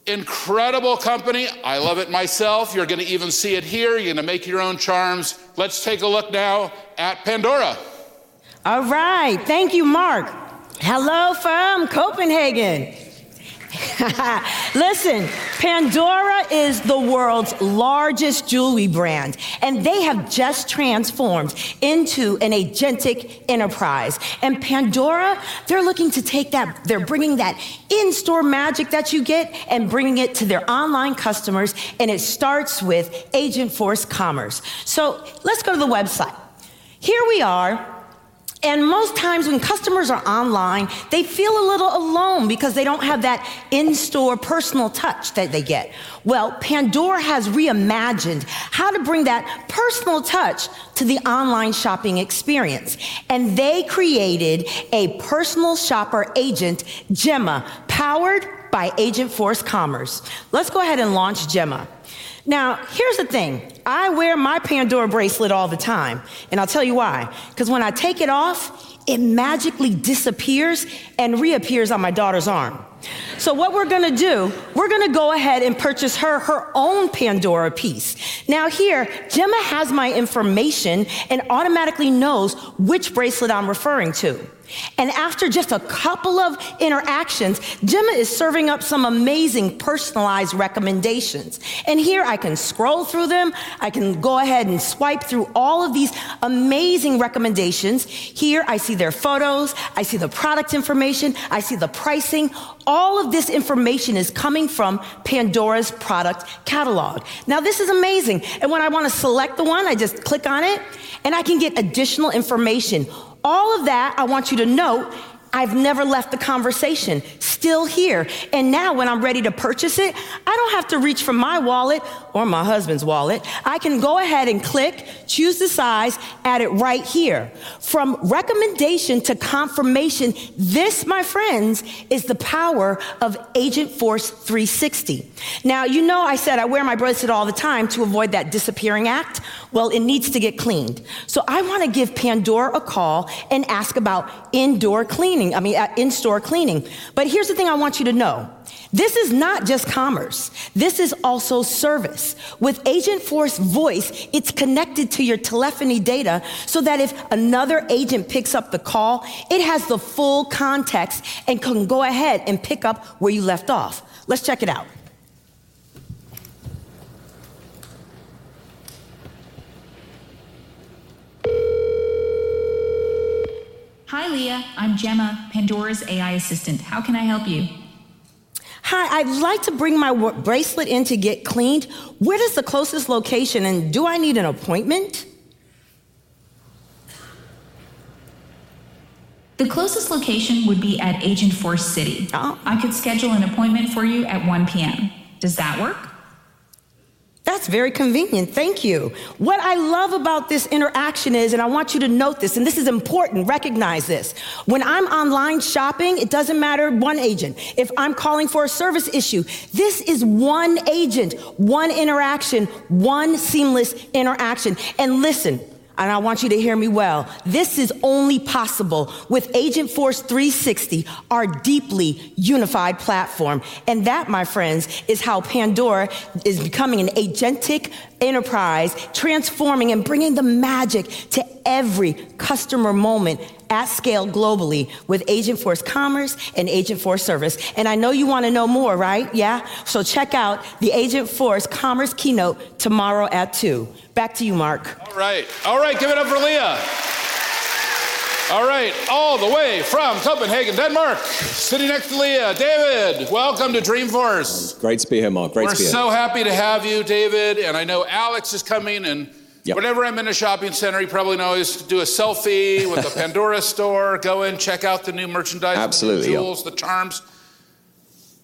Incredible company. I love it myself. You're going to even see it here. You're going to make your own charms. Let's take a look now at Pandora. All right. Thank you, Marc. Hello from Copenhagen. Listen, Pandora is the world's largest jewelry brand, and they have just transformed into an Agentic Enterprise. Pandora is looking to take that, bringing that in-store magic that you get and bringing it to their online customers. It starts with Agentforce Commerce. Let's go to the website. Here we are. Most times when customers are online, they feel a little alone because they don't have that in-store personal touch that they get. Pandora has reimagined how to bring that personal touch to the online shopping experience, and they created a personal shopper agent, Gemma, powered by Agentforce Commerce. Let's go ahead and launch Gemma. Now, here's the thing. I wear my Pandora bracelet all the time, and I'll tell you why. When I take it off, it magically disappears and reappears on my daughter's arm. What we're going to do is go ahead and purchase her her own Pandora piece. Here, Gemma has my information and automatically knows which bracelet I'm referring to. After just a couple of interactions, Gemma is serving up some amazing personalized recommendations. Here, I can scroll through them. I can go ahead and swipe through all of these amazing recommendations. Here, I see their photos, I see the product information, I see the pricing. All of this information is coming from Pandora's product catalog. This is amazing. When I want to select the one, I just click on it, and I can get additional information. All of that, I want you to note, I've never left the conversation, still here. Now, when I'm ready to purchase it, I don't have to reach for my wallet or my husband's wallet. I can go ahead and click, choose the size, add it right here. From recommendation to confirmation, this, my friends, is the power of Agentforce 360. You know I said I wear my bracelet all the time to avoid that disappearing act. It needs to get cleaned. I want to give Pandora a call and ask about indoor cleaning, I mean, in-store cleaning. Here's the thing I want you to know. This is not just commerce. This is also service. With Agentforce Voice, it's connected to your telephony data so that if another agent picks up the call, it has the full context and can go ahead and pick up where you left off. Let's check it out. Hi, Leah. I'm Gemma, Pandora's AI assistant. How can I help you? Hi. I'd like to bring my bracelet in to get cleaned. Where is the closest location? Do I need an appointment? The closest location would be at Agentforce City. Oh. I could schedule an appointment for you at 1:00 P.M. Does that work? That's very convenient. Thank you. What I love about this interaction is, and I want you to note this, this is important, recognize this. When I'm online shopping, it doesn't matter one agent. If I'm calling for a service issue, this is one agent, one interaction, one seamless interaction. Listen, I want you to hear me well. This is only possible with Agentforce 360, our deeply unified platform. That, my friends, is how Pandora is becoming an Agentic Enterprise, transforming and bringing the magic to every customer moment at scale globally with Agentforce Commerce and Agentforce Service. I know you want to know more, right? Yeah? Check out the Agentforce Commerce keynote tomorrow at 2:00 P.M. Back to you, Marc. All right. Give it up for Leah. All right. All the way from Copenhagen, Denmark, sitting next to Leah. David, welcome to Dreamforce. Great to be here, Marc. Great to be here. We're so happy to have you, David. I know Alex is coming. Whenever I'm in a shopping center, he probably knows to do a selfie with the Pandora store, go in, check out the new merchandise. Absolutely, yeah. The tools, the charms.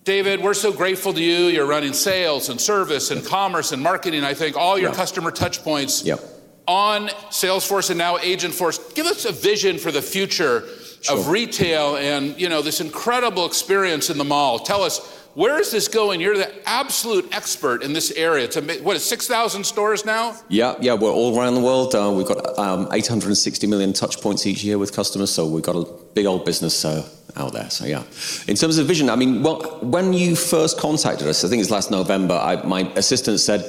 David, we're so grateful to you. You're running Sales, Service, Commerce, and Marketing, I think, all your customer touch points. Yep. On Salesforce and now Agentforce. Give us a vision for the future of retail and this incredible experience in the mall. Tell us, where is this going? You're the absolute expert in this area. What is it, 6,000 stores now? Yeah, yeah. We're all around the world. We've got 860 million touch points each year with customers. We've got a big old business out there. In terms of vision, when you first contacted us, I think it was last November, my assistant said,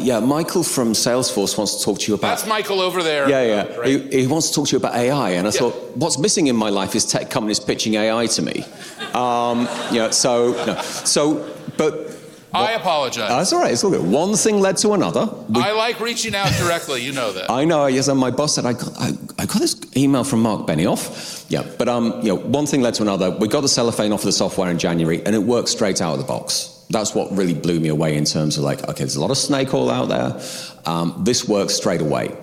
yeah, Michael from Salesforce wants to talk to you about. That's Michael over there. Yeah, yeah. He wants to talk to you about AI. I thought, what's missing in my life is tech companies pitching AI to me. I apologize. That's all right. It's all good. One thing led to another. I like reaching out directly. You know that. I know. Yes, my boss said, I got this email from Marc Benioff. Yeah. One thing led to another. We got the cellophane off of the software in January, and it works straight out of the box. That's what really blew me away in terms of like, OK, there's a lot of snake oil out there. This works straight away.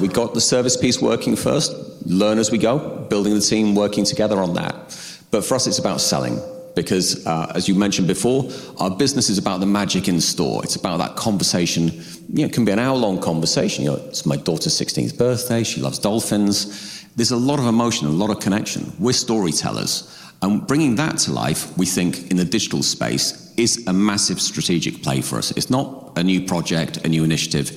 We got the service piece working first, learn as we go, building the team, working together on that. For us, it's about selling, because as you mentioned before, our business is about the magic in store. It's about that conversation. It can be an hour-long conversation. It's my daughter's 16th birthday. She loves dolphins. There's a lot of emotion, a lot of connection. We're storytellers, and bringing that to life, we think, in the digital space, is a massive strategic play for us. It's not a new project, a new initiative.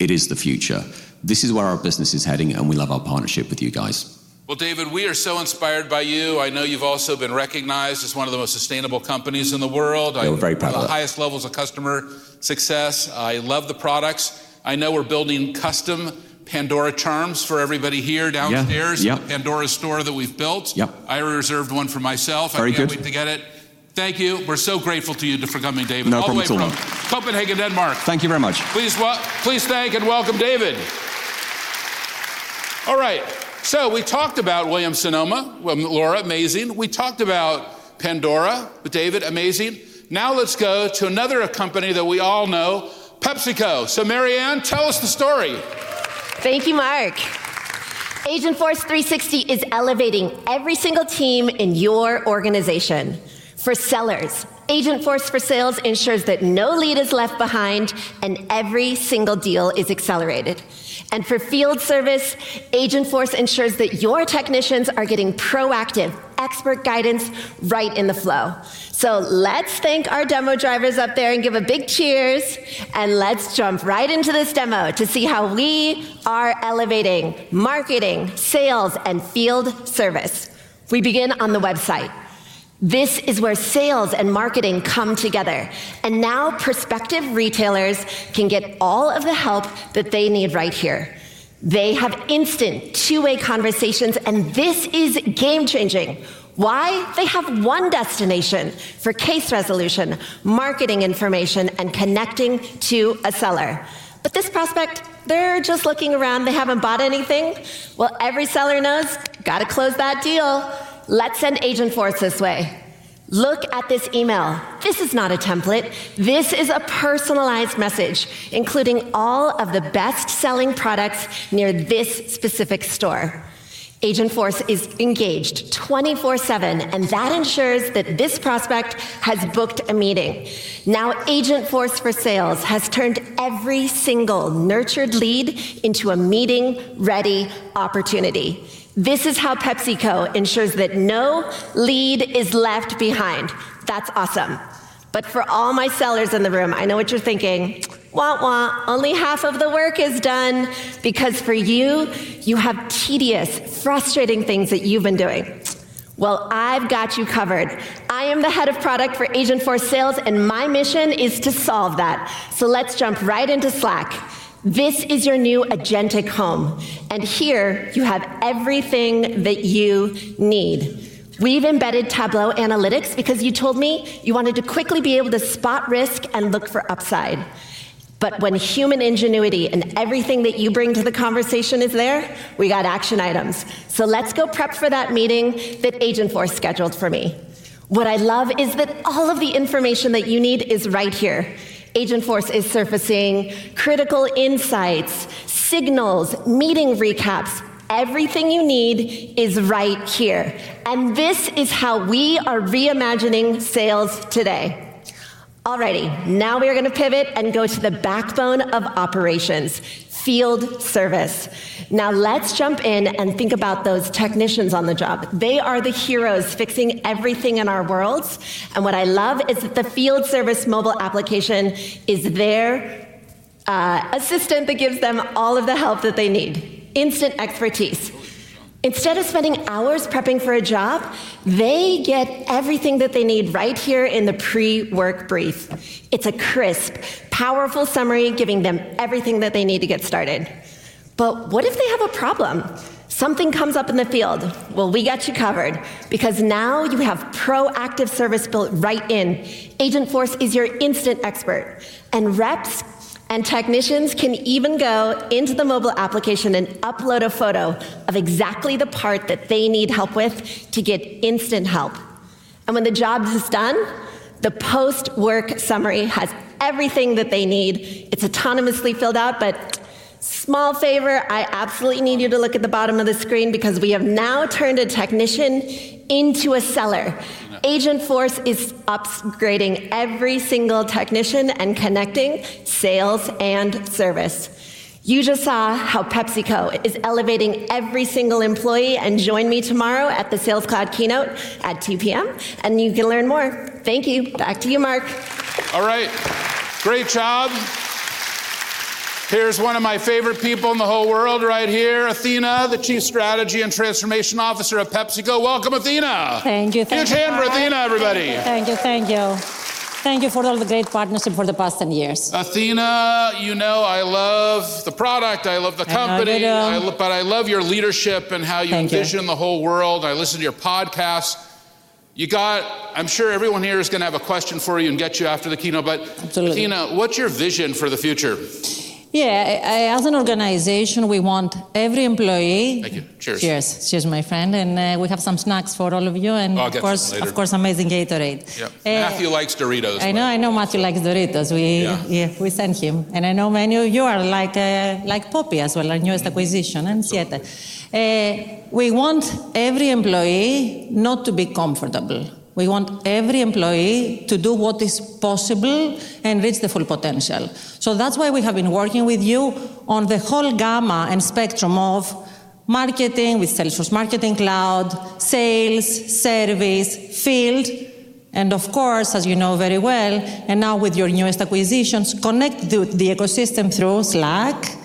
It is the future. This is where our business is heading, and we love our partnership with you guys. David, we are so inspired by you. I know you've also been recognized as one of the most sustainable companies in the world. We're very proud of that. The highest levels of customer success. I love the products. I know we're building custom Pandora charms for everybody here downstairs. Yep, yep. Pandora store that we've built. Yep. I already reserved one for myself. Very good. I can't wait to get it. Thank you. We're so grateful to you for coming, David. Always welcome. Copenhagen, Denmark. Thank you very much. Please thank and welcome David. All right. We talked about Williams-Sonoma, Laura, amazing. We talked about Pandora, David, amazing. Now let's go to another company that we all know, PepsiCo. MaryAnn, tell us the story. Thank you, Marc. Agentforce 360 is elevating every single team in your organization. For sellers, Agentforce for Sales ensures that no lead is left behind and every single deal is accelerated. For field service, Agentforce ensures that your technicians are getting proactive expert guidance right in the flow. Let's thank our demo drivers up there and give a big cheers. Let's jump right into this demo to see how we are elevating marketing, sales, and field service. We begin on the website. This is where sales and marketing come together. Now, prospective retailers can get all of the help that they need right here. They have instant two-way conversations. This is game changing. Why? They have one destination for case resolution, marketing information, and connecting to a seller. This prospect is just looking around. They haven't bought anything. Every seller knows, got to close that deal. Let's send Agentforce this way. Look at this email. This is not a template. This is a personalized message, including all of the best selling products near this specific store. Agentforce is engaged 24/7. That ensures that this prospect has booked a meeting. Now, Agentforce for Sales has turned every single nurtured lead into a meeting-ready opportunity. This is how PepsiCo ensures that no lead is left behind. That's awesome. For all my sellers in the room, I know what you're thinking. Only half of the work is done. For you, you have tedious, frustrating things that you've been doing. I've got you covered. I am the Head of Product for Agentforce Sales, and my mission is to solve that. Let's jump right into Slack. This is your new agentic home. Here, you have everything that you need. We've embedded Tableau analytics because you told me you wanted to quickly be able to spot risk and look for upside. When human ingenuity and everything that you bring to the conversation is there, we got action items. Let's go prep for that meeting that Agentforce scheduled for me. What I love is that all of the information that you need is right here. Agentforce is surfacing critical insights, signals, meeting recaps. Everything you need is right here. This is how we are reimagining sales today. Now, we are going to pivot and go to the backbone of operations, field service. Let's jump in and think about those technicians on the job. They are the heroes fixing everything in our worlds. What I love is that the field service mobile application is their assistant that gives them all of the help that they need, instant expertise. Instead of spending hours prepping for a job, they get everything that they need right here in the pre-work brief. It's a crisp, powerful summary giving them everything that they need to get started. If they have a problem, something comes up in the field, we got you covered because now you have proactive service built right in. Agentforce is your instant expert, and reps and technicians can even go into the mobile application and upload a photo of exactly the part that they need help with to get instant help. When the job is done, the post-work summary has everything that they need. It's autonomously filled out. Small favor, I absolutely need you to look at the bottom of the screen because we have now turned a technician into a seller. Agentforce is upgrading every single technician and connecting sales and service. You just saw how PepsiCo is elevating every single employee. Join me tomorrow at the Sales Cloud keynote at 2:00 P.M., and you can learn more. Thank you. Back to you, Marc. All right. Great job. Here's one of my favorite people in the whole world right here, Athina, the Chief Strategy and Transformation Officer at PepsiCo. Welcome, Athena. Thank you. Thank you. Big hand for Athina Karp, everybody. Thank you. Thank you. Thank you for all the great partnership for the past 10 years. Athina, you know I love the product. I love the company. I know. I love your leadership and how you vision the whole world. Thank you. I listen to your podcasts. You got, I'm sure everyone here is going to have a question for you and get you after the keynote. Absolutely. Athena, what's your vision for the future? As an organization, we want every employee. Thank you. Cheers. Cheers, cheers, my friend. We have some snacks for all of you, and of course, amazing Gatorade. Matthew likes Doritos. I know. I know Matthew likes Doritos. We sent him. I know many of you are like Poppi as well, our newest acquisition in Siete. We want every employee not to be comfortable. We want every employee to do what is possible and reach their full potential. That is why we have been working with you on the whole gamma and spectrum of marketing with Salesforce Marketing Cloud, sales, service, field, and of course, as you know very well, and now with your newest acquisitions, connect the ecosystem through Slack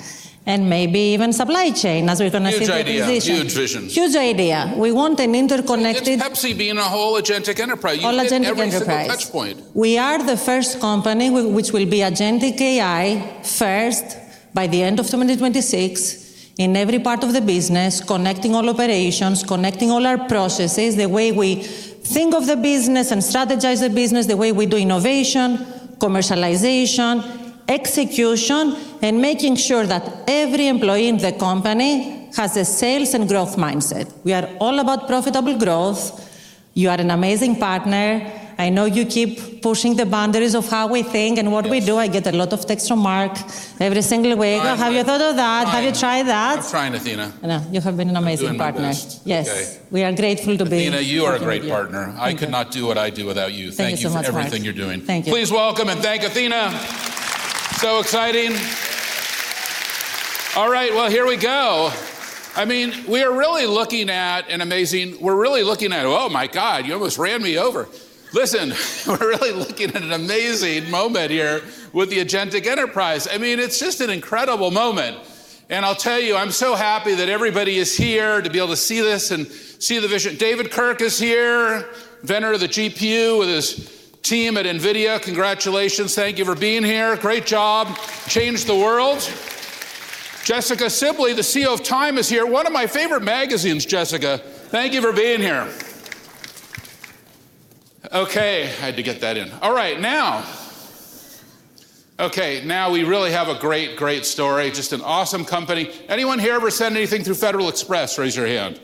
and maybe even supply chain as we're going to see the acquisition. Huge idea, huge vision. Huge idea. We want an interconnected. That's PepsiCo being a whole Agentic Enterprise. All Agentic Enterprise. Touch point. We are the first company which will be agentic AI first by the end of 2026 in every part of the business, connecting all operations, connecting all our processes, the way we think of the business and strategize the business, the way we do innovation, commercialization, execution, and making sure that every employee in the company has a sales and growth mindset. We are all about profitable growth. You are an amazing partner. I know you keep pushing the boundaries of how we think and what we do. I get a lot of texts from Marc every single week. Have you thought of that? Have you tried that? I'm trying, Athena. You have been an amazing partner. Thank you. Yes, we are grateful to be. Karp, you are a great partner. Thank you. I could not do what I do without you. Thank you so much. Thank you so much for everything you're doing. Thank you. Please welcome and thank Athina. So exciting. All right. Here we go. I mean, we are really looking at an amazing, we're really looking at, oh my god, you almost ran me over. Listen, we're really looking at an amazing moment here with the Agentic Enterprise. I mean, it's just an incredible moment. I'll tell you, I'm so happy that everybody is here to be able to see this and see the vision. David Kirk is here, inventor of the GPU with his team at NVIDIA. Congratulations. Thank you for being here. Great job. Changed the world. Jessica Sibley, the CEO of TIME, is here, one of my favorite magazines, Jessica. Thank you for being here. OK, I had to get that in. All right. Now, we really have a great, great story, just an awesome company. Anyone here ever send anything through Federal Express? Raise your hand.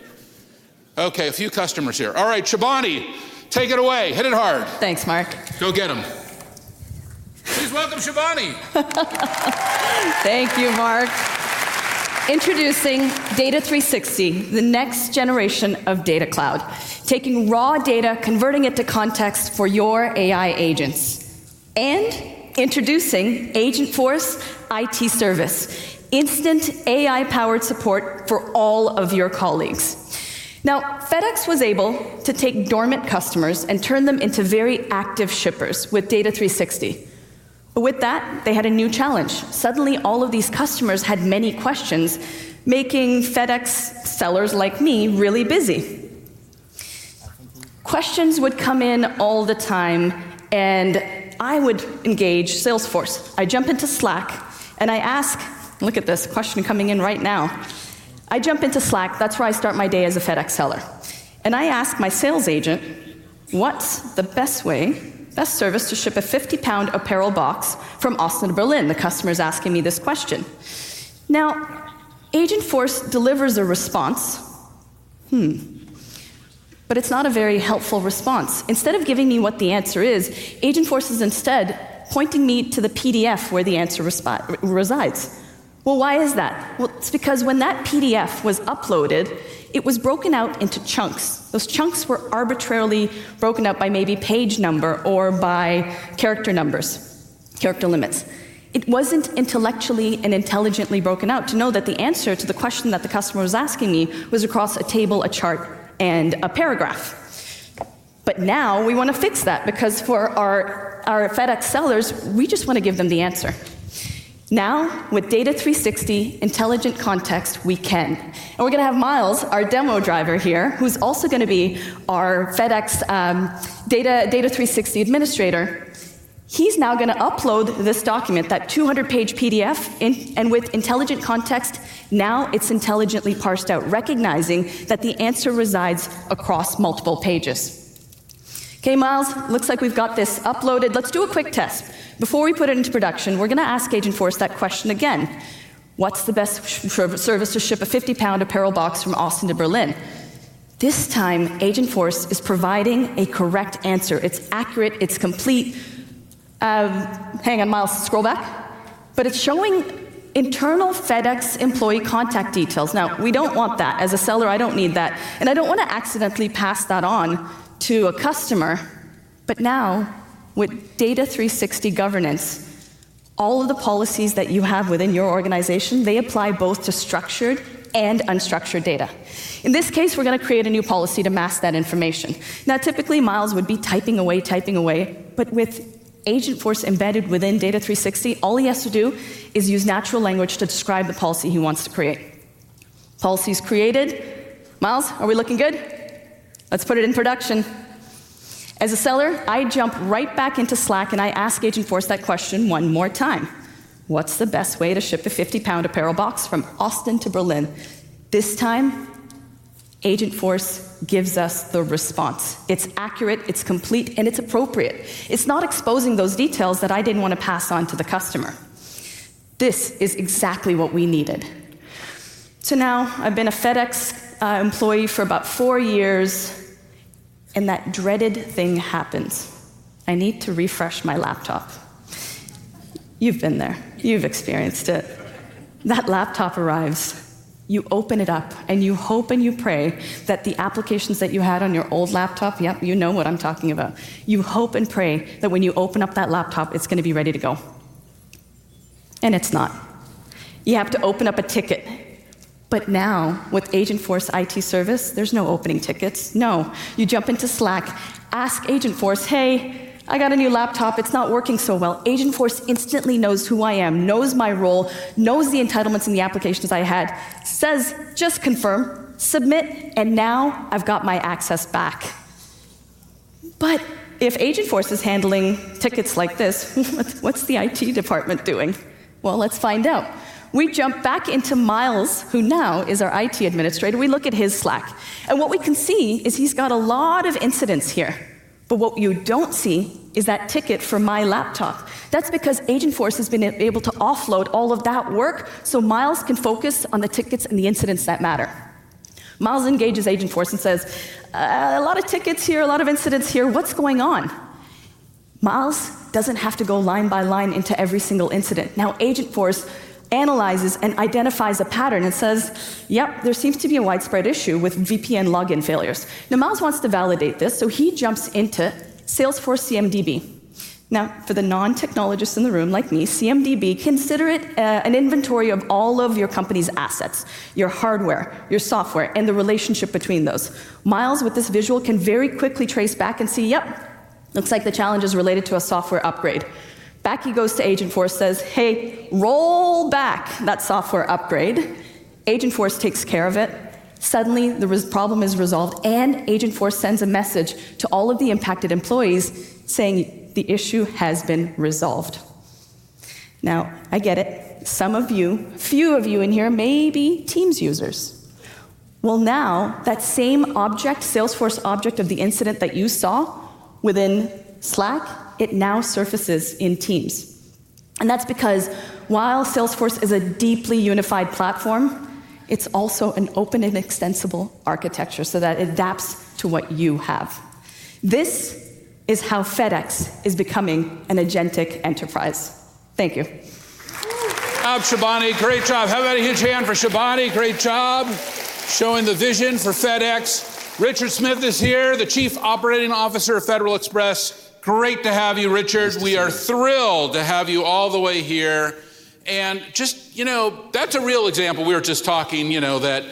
OK, a few customers here. All right, Shibani, take it away. Hit it hard. Thanks, Marc. Go get him. Please welcome Shibani. Thank you, Marc. Introducing Data 360, the next generation of Data Cloud, taking raw data, converting it to context for your AI agents, and introducing Agentforce IT Service, instant AI-powered support for all of your colleagues. Now, FedEx was able to take dormant customers and turn them into very active shippers with Data 360. With that, they had a new challenge. Suddenly, all of these customers had many questions, making FedEx sellers like me really busy. Questions would come in all the time. I would engage Salesforce. I'd jump into Slack. I'd ask, look at this, a question coming in right now. I'd jump into Slack. That's where I start my day as a FedEx seller. I'd ask my sales agent, what's the best way, best service to ship a 50 lb apparel box from Austin to Berlin? The customer is asking me this question. Now, Agentforce delivers a response. It's not a very helpful response. Instead of giving me what the answer is, Agentforce is instead pointing me to the PDF where the answer resides. Why is that? It's because when that PDF was uploaded, it was broken out into chunks. Those chunks were arbitrarily broken up by maybe page number or by character numbers, character limits. It wasn't intellectually and intelligently broken out to know that the answer to the question that the customer was asking me was across a table, a chart, and a paragraph. Now, we want to fix that. For our FedEx sellers, we just want to give them the answer. Now, with Data 360, intelligent context, we can. We're going to have Miles, our demo driver here, who's also going to be our FedEx Data 360 administrator. He's now going to upload this document, that 200-page PDF, and with intelligent context, now it's intelligently parsed out, recognizing that the answer resides across multiple pages. OK, Miles, looks like we've got this uploaded. Let's do a quick test. Before we put it into production, we're going to ask Agentforce that question again. What's the best service to ship a 50-pound apparel box from Austin to Berlin? This time, Agentforce is providing a correct answer. It's accurate. It's complete. Hang on, Miles. Scroll back. It's showing internal FedEx employee contact details. We don't want that. As a seller, I don't need that. I don't want to accidentally pass that on to a customer. Now, with Data 360 governance, all of the policies that you have within your organization apply both to structured and unstructured data. In this case, we're going to create a new policy to mask that information. Typically, Miles would be typing away, typing away. With Agentforce embedded within Data 360, all he has to do is use natural language to describe the policy he wants to create. Policy is created. Miles, are we looking good? Let's put it in production. As a seller, I'd jump right back into Slack and I'd ask Agentforce that question one more time. What's the best way to ship a 50-pound apparel box from Austin to Berlin? This time, Agentforce gives us the response. It's accurate, it's complete, and it's appropriate. It's not exposing those details that I didn't want to pass on to the customer. This is exactly what we needed. I've been a FedEx employee for about four years, and that dreaded thing happens. I need to refresh my laptop. You've been there, you've experienced it. That laptop arrives, you open it up, and you hope and you pray that the applications that you had on your old laptop—yep, you know what I'm talking about—you hope and pray that when you open up that laptop, it's going to be ready to go. It's not. You have to open up a ticket. Now, with Agentforce IT Service, there's no opening tickets. You jump into Slack, ask Agentforce, hey, I got a new laptop, it's not working so well. Agentforce instantly knows who I am, knows my role, knows the entitlements and the applications I had, says, just confirm, submit, and now I've got my access back. If Agentforce is handling tickets like this, what's the IT department doing? Let's find out. We'd jump back into Miles, who now is our IT administrator. We look at his Slack, and what we can see is he's got a lot of incidents here. What you don't see is that ticket for my laptop. That's because Agentforce has been able to offload all of that work so Miles can focus on the tickets and the incidents that matter. Miles engages Agentforce and says, a lot of tickets here, a lot of incidents here, what's going on? Miles doesn't have to go line by line into every single incident. Agentforce analyzes and identifies a pattern and says, yep, there seems to be a widespread issue with VPN login failures. Miles wants to validate this, so he jumps into Salesforce CMDB. Now, for the non-technologists in the room, like me, CMDB, consider it an inventory of all of your company's assets, your hardware, your software, and the relationship between those. Miles, with this visual, can very quickly trace back and see, yep, looks like the challenge is related to a software upgrade. Back he goes to Agentforce, says, hey, roll back that software upgrade. Agentforce takes care of it. Suddenly, the problem is resolved. Agentforce sends a message to all of the impacted employees saying the issue has been resolved. I get it. Some of you, a few of you in here may be Team's users. That same object, Salesforce object of the incident that you saw within Slack, it now surfaces in Teams. That's because while Salesforce is a deeply unified platform, it's also an open and extensible architecture so that it adapts to what you have. This is how FedEx is becoming an Agentic Enterprise. Thank you. Shibani. Great job. How about a huge hand for Shibani? Great job showing the vision for FedEx. Richard Smith is here, the Chief Operating Officer of Federal Express. Great to have you, Richard. We are thrilled to have you all the way here. That's a real example. We were just talking, that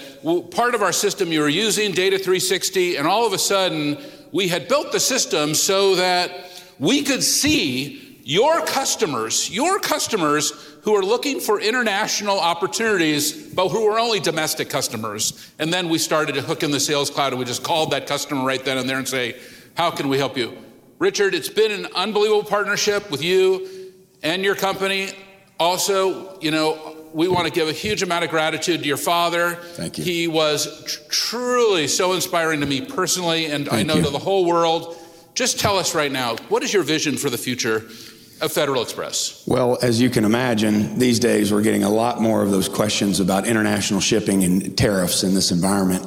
part of our system you were using, Data 360. All of a sudden, we had built the system so that we could see your customers, your customers who are looking for international opportunities, but who are only domestic customers. We started to hook in the Sales Cloud. We just called that customer right then and there and say, how can we help you? Richard, it's been an unbelievable partnership with you and your company. Also, we want to give a huge amount of gratitude to your father. Thank you. He was truly so inspiring to me personally. I know to the whole world, just tell us right now, what is your vision for the future of Federal Express? As you can imagine, these days, we're getting a lot more of those questions about international shipping and tariffs in this environment.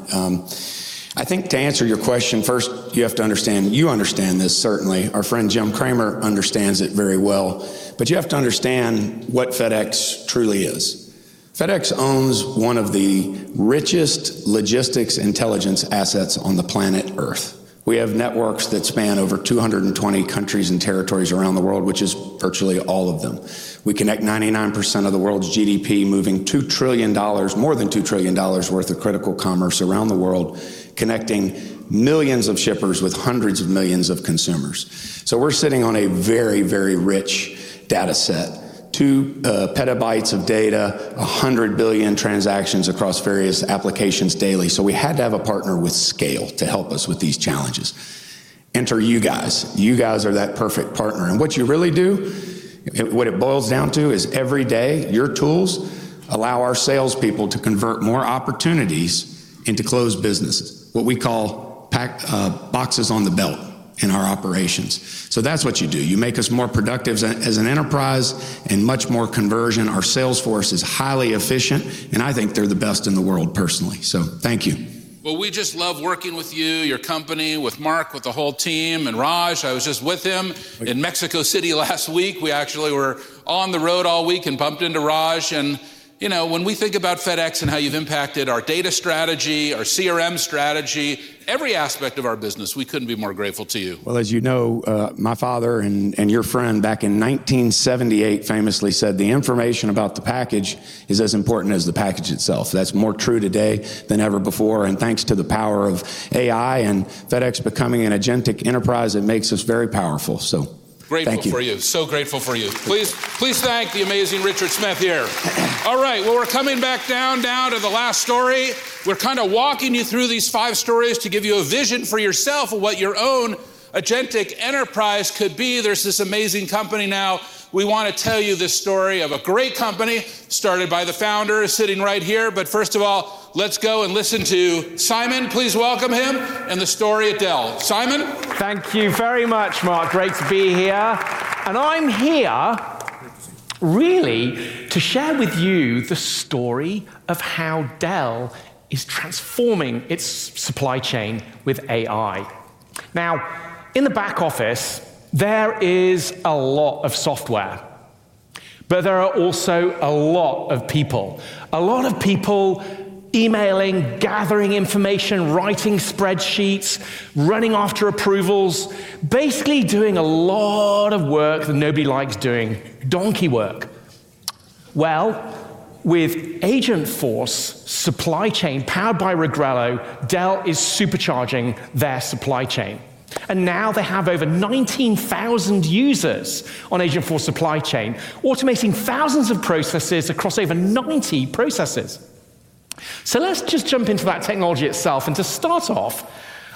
I think to answer your question, first, you have to understand, you understand this certainly. Our friend Jim Cramer understands it very well. You have to understand what FedEx truly is. FedEx owns one of the richest logistics intelligence assets on the planet Earth. We have networks that span over 220 countries and territories around the world, which is virtually all of them. We connect 99% of the world's GDP, moving more than $2 trillion worth of critical commerce around the world, connecting millions of shippers with hundreds of millions of consumers. We're sitting on a very, very rich data set, 2 petabytes of data, 100 billion transactions across various applications daily. We had to have a partner with scale to help us with these challenges. You guys are that perfect partner. What you really do, what it boils down to is every day, your tools allow our salespeople to convert more opportunities into closed businesses, what we call boxes on the belt in our operations. That's what you do. You make us more productive as an enterprise and much more conversion. Our sales force is highly efficient, and I think they're the best in the world personally. Thank you. We just love working with you, your company, with Marc, with the whole team, and Raj. I was just with him in Mexico City last week. We actually were on the road all week and bumped into Raj. You know, when we think about FedEx and how you've impacted our data strategy, our CRM strategy, every aspect of our business, we couldn't be more grateful to you. As you know, my father and your friend back in 1978 famously said, "The information about the package is as important as the package itself." That's more true today than ever before. Thanks to the power of AI and FedEx becoming an Agentic Enterprise, it makes us very powerful. Thank you. Great to hear for you. So grateful for you. Please thank the amazing Richard Smith here. All right, we're coming back down to the last story. We're kind of walking you through these five stories to give you a vision for yourself of what your own Agentic Enterprise could be. There's this amazing company now. We want to tell you this story of a great company started by the founders sitting right here. First of all, let's go and listen to Simon. Please welcome him and the story at Dell. Simon? Thank you very much, Marc. Great to be here. I'm here really to share with you the story of how Dell Technologies is transforming its supply chain with AI. In the Back Office, there is a lot of software, but there are also a lot of people. A lot of people emailing, gathering information, writing spreadsheets, running after approvals, basically doing a lot of work that nobody likes doing, donkey work. With Agentforce supply chain powered by Regrello, Dell is supercharging their supply chain. They now have over 19,000 users on Agentforce supply chain, automating thousands of processes across over 90 processes. Let's just jump into that technology itself. To start off,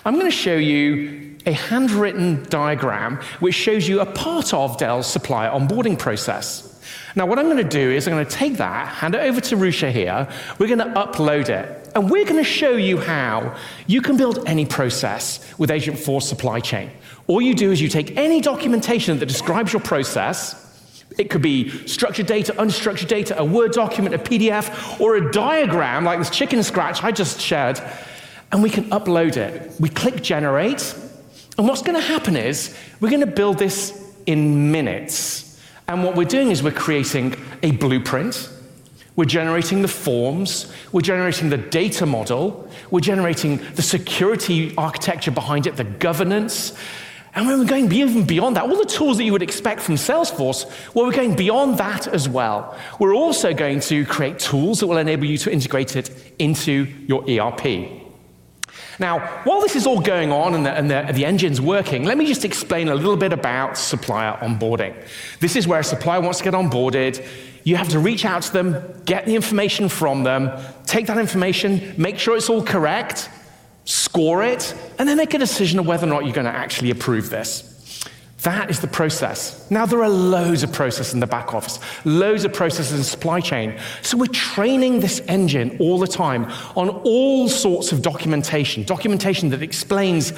I'm going to show you a handwritten diagram which shows you a part of Dell's supplier onboarding process. What I'm going to do is take that, hand it over to Rusha here. We're going to upload it, and we're going to show you how you can build any process with Agentforce supply chain. All you do is take any documentation that describes your process. It could be structured data, unstructured data, a Word document, a PDF, or a diagram like this chicken scratch I just shared. We can upload it, click generate, and what's going to happen is we're going to build this in minutes. What we're doing is creating a blueprint. We're generating the forms, generating the data model, generating the security architecture behind it, the governance. We're going even beyond that. All the tools that you would expect from Salesforce, we're going beyond that as well. We're also going to create tools that will enable you to integrate it into your ERP. While this is all going on and the engine's working, let me just explain a little bit about supplier onboarding. This is where a supplier wants to get onboarded. You have to reach out to them, get the information from them, take that information, make sure it's all correct, score it, and then make a decision of whether or not you're going to actually approve this. That is the process. There are loads of processes in the back office, loads of processes in supply chain. We're training this engine all the time on all sorts of documentation, documentation that explains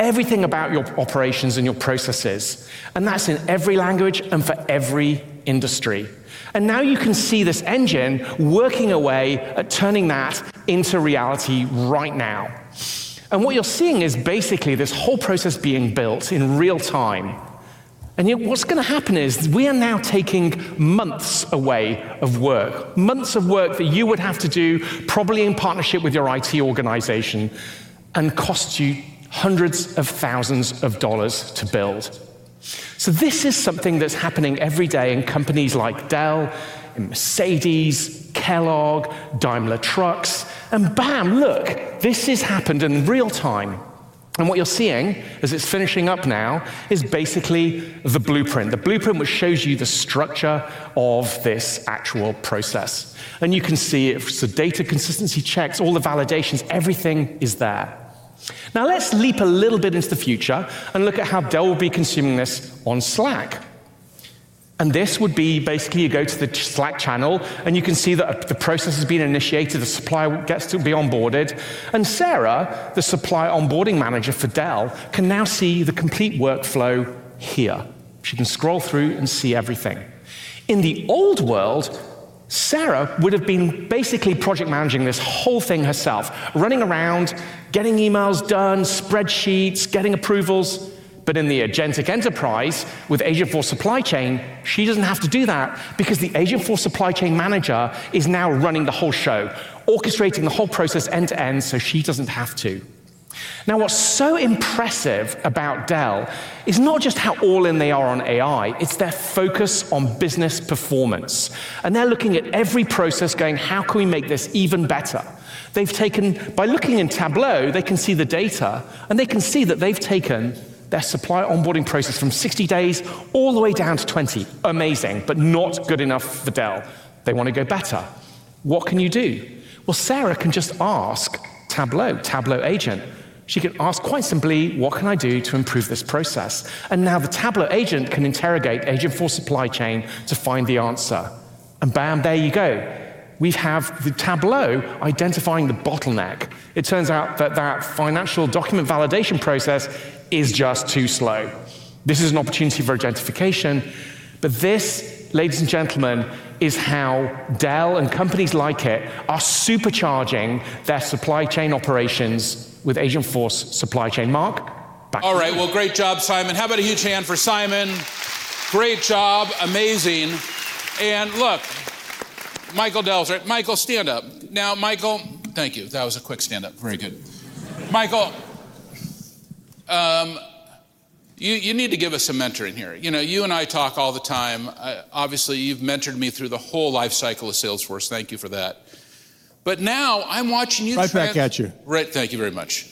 everything about your operations and your processes. That's in every language and for every industry. Now you can see this engine working away at turning that into reality right now. What you're seeing is basically this whole process being built in real time. What's going to happen is we are now taking months away of work, months of work that you would have to do probably in partnership with your IT organization and cost you hundreds of thousands of dollars to build. This is something that's happening every day in companies like Dell, Mercedes, Kellogg, Daimler Trucks. Bam, look, this has happened in real time. What you're seeing as it's finishing up now is basically the blueprint, the blueprint which shows you the structure of this actual process. You can see it's the data consistency checks, all the validations, everything is there. Now, let's leap a little bit into the future and look at how Dell will be consuming this on Slack. This would be basically you go to the Slack channel, and you can see that the process has been initiated. The supplier gets to be onboarded. Sarah, the Supplier Onboarding Manager for Dell, can now see the complete workflow here. She can scroll through and see everything. In the old world, Sarah would have been basically project managing this whole thing herself, running around, getting emails done, spreadsheets, getting approvals. In the Agentic Enterprise with Agentforce supply chain, she doesn't have to do that because the Agentforce supply chain manager is now running the whole show, orchestrating the whole process end to end so she doesn't have to. What's so impressive about Dell is not just how all in they are on AI, it's their focus on business performance. They're looking at every process going, how can we make this even better? They've taken, by looking in Tableau, they can see the data, and they can see that they've taken their supplier onboarding process from 60 days all the way down to 20. Amazing, but not good enough for Dell. They want to go better. What can you do? Sarah can just ask Tableau, Tableau agent. She can ask quite simply, what can I do to improve this process? Now the Tableau agent can interrogate Agentforce supply chain to find the answer. Bam, there you go. We have the Tableau identifying the bottleneck. It turns out that that financial document validation process is just too slow. This is an opportunity for identification. This, ladies and gentlemen, is how Dell and companies like it are supercharging their supply chain operations with Agentforce supply chain. Marc, back to you. All right. Great job, Simon. How about a huge hand for Simon? Great job. Amazing. Look, Michael Dell's right. Michael, stand up. Now, Michael, thank you. That was a quick stand up. Very good. Michael, you need to give us some mentoring here. You know, you and I talk all the time. Obviously, you've mentored me through the whole lifecycle of Salesforce. Thank you for that. Now I'm watching you talk. Right back at you. Right. Thank you very much.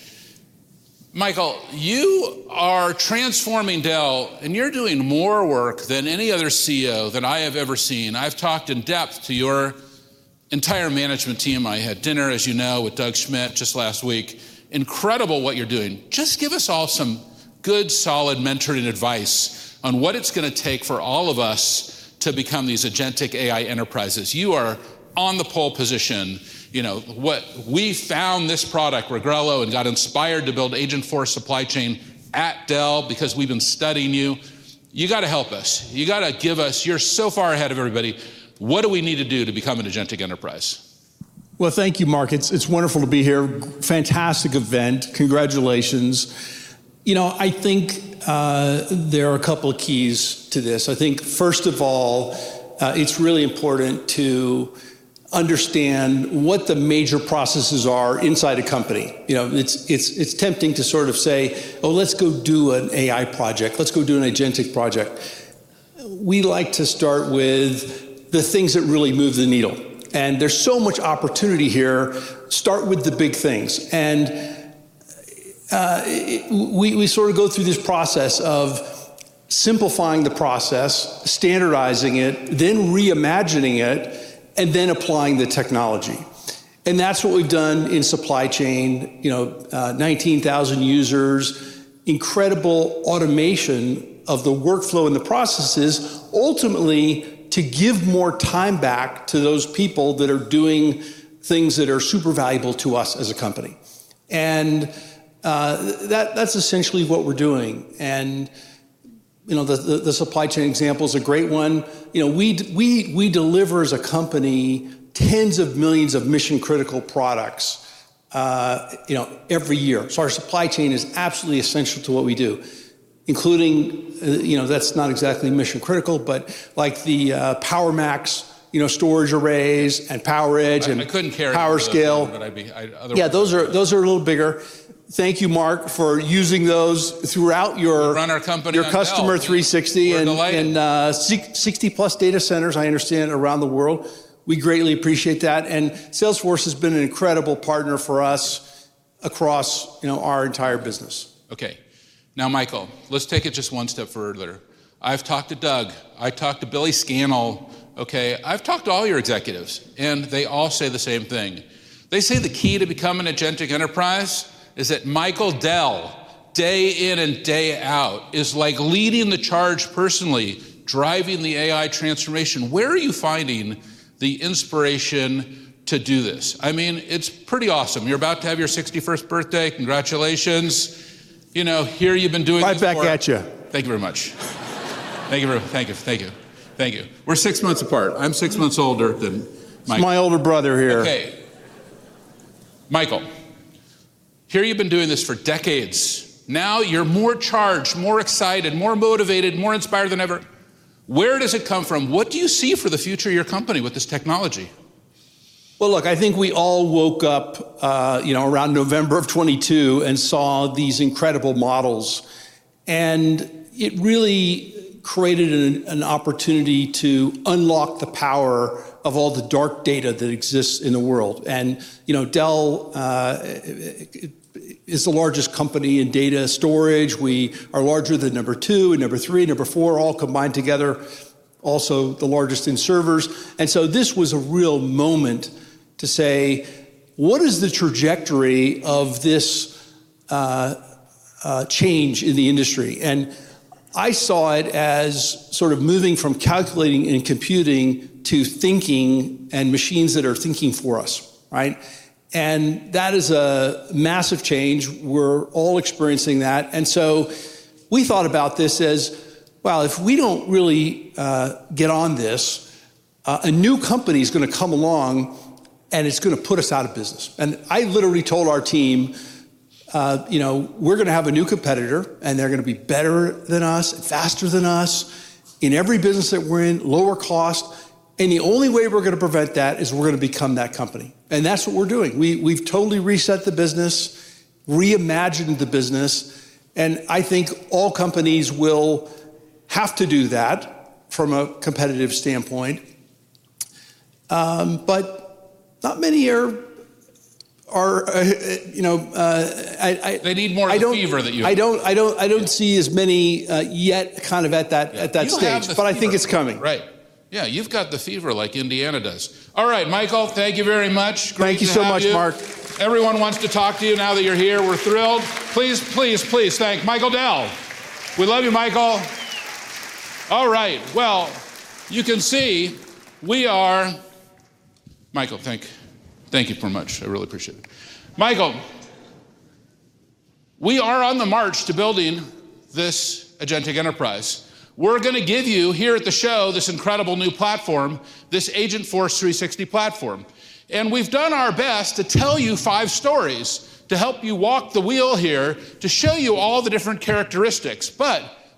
Michael, you are transforming Dell, and you're doing more work than any other CEO that I have ever seen. I've talked in depth to your entire management team. I had dinner, as you know, with Doug Schmidt just last week. Incredible what you're doing. Just give us all some good, solid mentoring advice on what it's going to take for all of us to become these agentic AI enterprises. You are on the pole position. We found this product, Regrello, and got inspired to build Agentforce supply chain at Dell because we've been studying you. You got to help us. You got to give us. You're so far ahead of everybody. What do we need to do to become an Agentic Enterprise? Thank you, Marc. It's wonderful to be here. Fantastic event. Congratulations. I think there are a couple of keys to this. First of all, it's really important to understand what the major processes are inside a company. It's tempting to sort of say, oh, let's go do an AI project, let's go do an agentic project. We like to start with the things that really move the needle. There's so much opportunity here. Start with the big things. We sort of go through this process of simplifying the process, standardizing it, then reimagining it, and then applying the technology. That's what we've done in supply chain. 19,000 users, incredible automation of the workflow and the processes, ultimately to give more time back to those people that are doing things that are super valuable to us as a company. That's essentially what we're doing. The supply chain example is a great one. We deliver as a company tens of millions of mission-critical products every year. Our supply chain is absolutely essential to what we do, including, that's not exactly mission-critical, but like the PowerMax storage arrays and PowerEdge and PowerScale. I couldn't carry that one. Yeah, those are a little bigger. Thank you, Marc, for using those throughout your. Run our company. Your Customer 360 and 60+ data centers, I understand, around the world. We greatly appreciate that. Salesforce has been an incredible partner for us across our entire business. OK. Now, Michael, let's take it just one step further. I've talked to Doug. I talked to Billy Scannell. I've talked to all your executives, and they all say the same thing. They say the key to becoming an Agentic Enterprise is that Michael Dell, day-in and day-out, is leading the charge personally, driving the AI transformation. Where are you finding the inspiration to do this? I mean, it's pretty awesome. You're about to have your 61st birthday. Congratulations. Here you've been doing this. Right back at you. Thank you very much. Thank you. Thank you. Thank you. Thank you. We're six months apart. I'm six months older than Michael. It's my older brother here. OK. Michael, here you've been doing this for decades. Now you're more charged, more excited, more motivated, more inspired than ever. Where does it come from? What do you see for the future of your company with this technology? I think we all woke up, you know, around November of 2022 and saw these incredible models. It really created an opportunity to unlock the power of all the dark data that exists in the world. You know, Dell is the largest company in data storage. We are larger than number two and number three, number four, all combined together. Also, the largest in servers. This was a real moment to say, what is the trajectory of this change in the industry? I saw it as sort of moving from calculating and computing to thinking and machines that are thinking for us, right? That is a massive change. We're all experiencing that. We thought about this as, if we don't really get on this, a new company is going to come along and it's going to put us out of business. I literally told our team, you know, we're going to have a new competitor and they're going to be better than us, faster than us in every business that we're in, lower cost. The only way we're going to prevent that is we're going to become that company. That's what we're doing. We've totally reset the business, reimagined the business. I think all companies will have to do that from a competitive standpoint. Not many are. They need more fever than you have. I don't see as many yet at that stage. No, I'm not. I think it's coming. Right. Yeah, you've got the fever like Indiana does. All right, Michael, thank you very much. Thank you so much, Marc. Everyone wants to talk to you now that you're here. We're thrilled. Please, please, please thank Michael Dell. We love you, Michael. All right. You can see we are, Michael, thank you very much. I really appreciate it. Michael, we are on the march to building this Agentic Enterprise. We're going to give you here at the show this incredible new platform, this Agentforce 360 platform. We've done our best to tell you five stories to help you walk the wheel here, to show you all the different characteristics.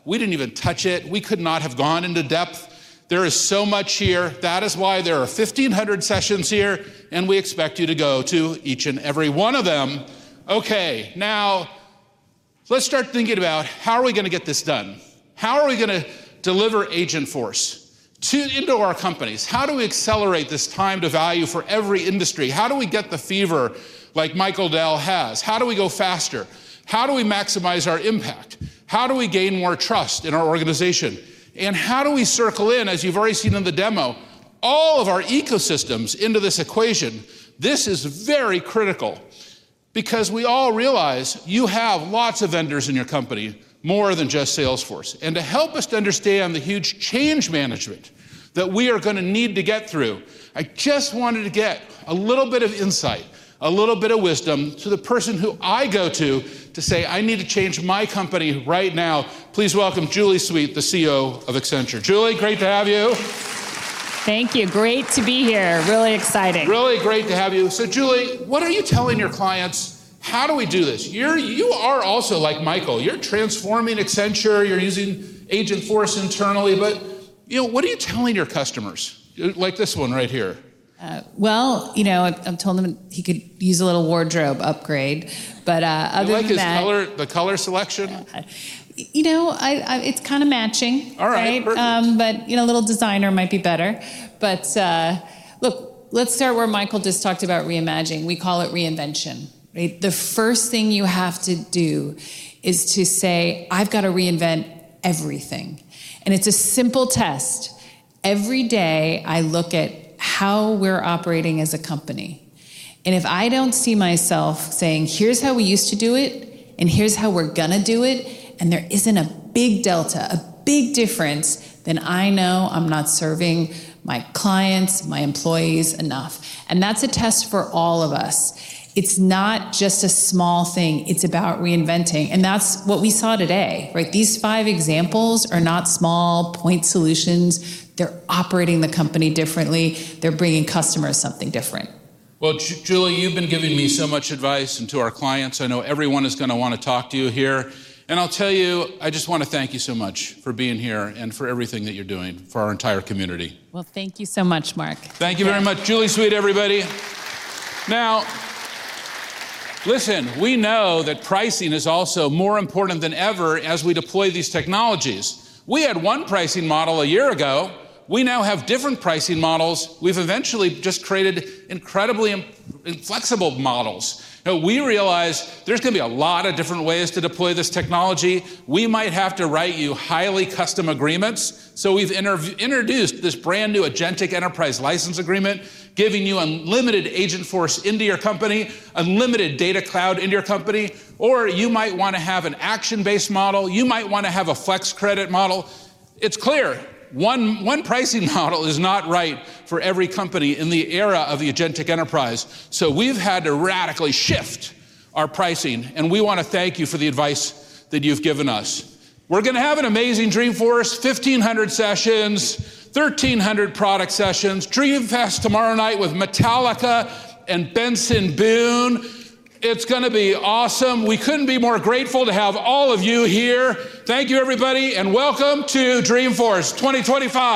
We didn't even touch it. We could not have gone into depth. There is so much here. That is why there are 1,500 sessions here, and we expect you to go to each and every one of them. OK. Now, let's start thinking about how are we going to get this done? How are we going to deliver Agentforce into our companies? How do we accelerate this time to value for every industry? How do we get the fever like Michael Dell has? How do we go faster? How do we maximize our impact? How do we gain more trust in our organization? How do we circle in, as you've already seen in the demo, all of our ecosystems into this equation? This is very critical because we all realize you have lots of vendors in your company, more than just Salesforce. To help us understand the huge change management that we are going to need to get through, I just wanted to get a little bit of insight, a little bit of wisdom to the person who I go to to say, I need to change my company right now. Please welcome Julie Sweet, the CEO of Accenture. Julie, great to have you. Thank you. Great to be here. Really exciting. Really great to have you. Julie, what are you telling your clients? How do we do this? You are also like Michael. You're transforming Accenture. You're using Agentforce internally. What are you telling your customers like this one right here? I've told him he could use a little wardrobe upgrade. Other than that. Like his color selection? You know, it's kind of matching. All right. Perfect. You know, a little designer might be better. Look, let's start where Michael just talked about reimagining. We call it reinvention. The first thing you have to do is to say, I've got to reinvent everything. It's a simple test. Every day, I look at how we're operating as a company. If I don't see myself saying, here's how we used to do it, and here's how we're going to do it, and there isn't a big delta, a big difference, then I know I'm not serving my clients, my employees enough. That's a test for all of us. It's not just a small thing. It's about reinventing. That's what we saw today. These five examples are not small point solutions. They're operating the company differently. They're bringing customers something different. Julie, you've been giving me so much advice and to our clients. I know everyone is going to want to talk to you here. I just want to thank you so much for being here and for everything that you're doing for our entire community. Thank you so much, Marc. Thank you very much. Julie Sweet, everybody. Now, listen, we know that pricing is also more important than ever as we deploy these technologies. We had one pricing model a year ago. We now have different pricing models. We've eventually just created incredibly flexible models. We realize there's going to be a lot of different ways to deploy this technology. We might have to write you highly custom agreements. We've introduced this brand new Agentic Enterprise license agreement, giving you unlimited Agentforce into your company, unlimited Data Cloud into your company. You might want to have an action-based model. You might want to have a flex credit model. It's clear, one pricing model is not right for every company in the era of the Agentic Enterprise. We've had to radically shift our pricing. We want to thank you for the advice that you've given us. We're going to have an amazing Dreamforce, 1,500 sessions, 1,300 product sessions, DreamFest tomorrow night with Metallica and Benson Boone. It's going to be awesome. We couldn't be more grateful to have all of you here. Thank you, everybody. Welcome to Dreamforce 2025.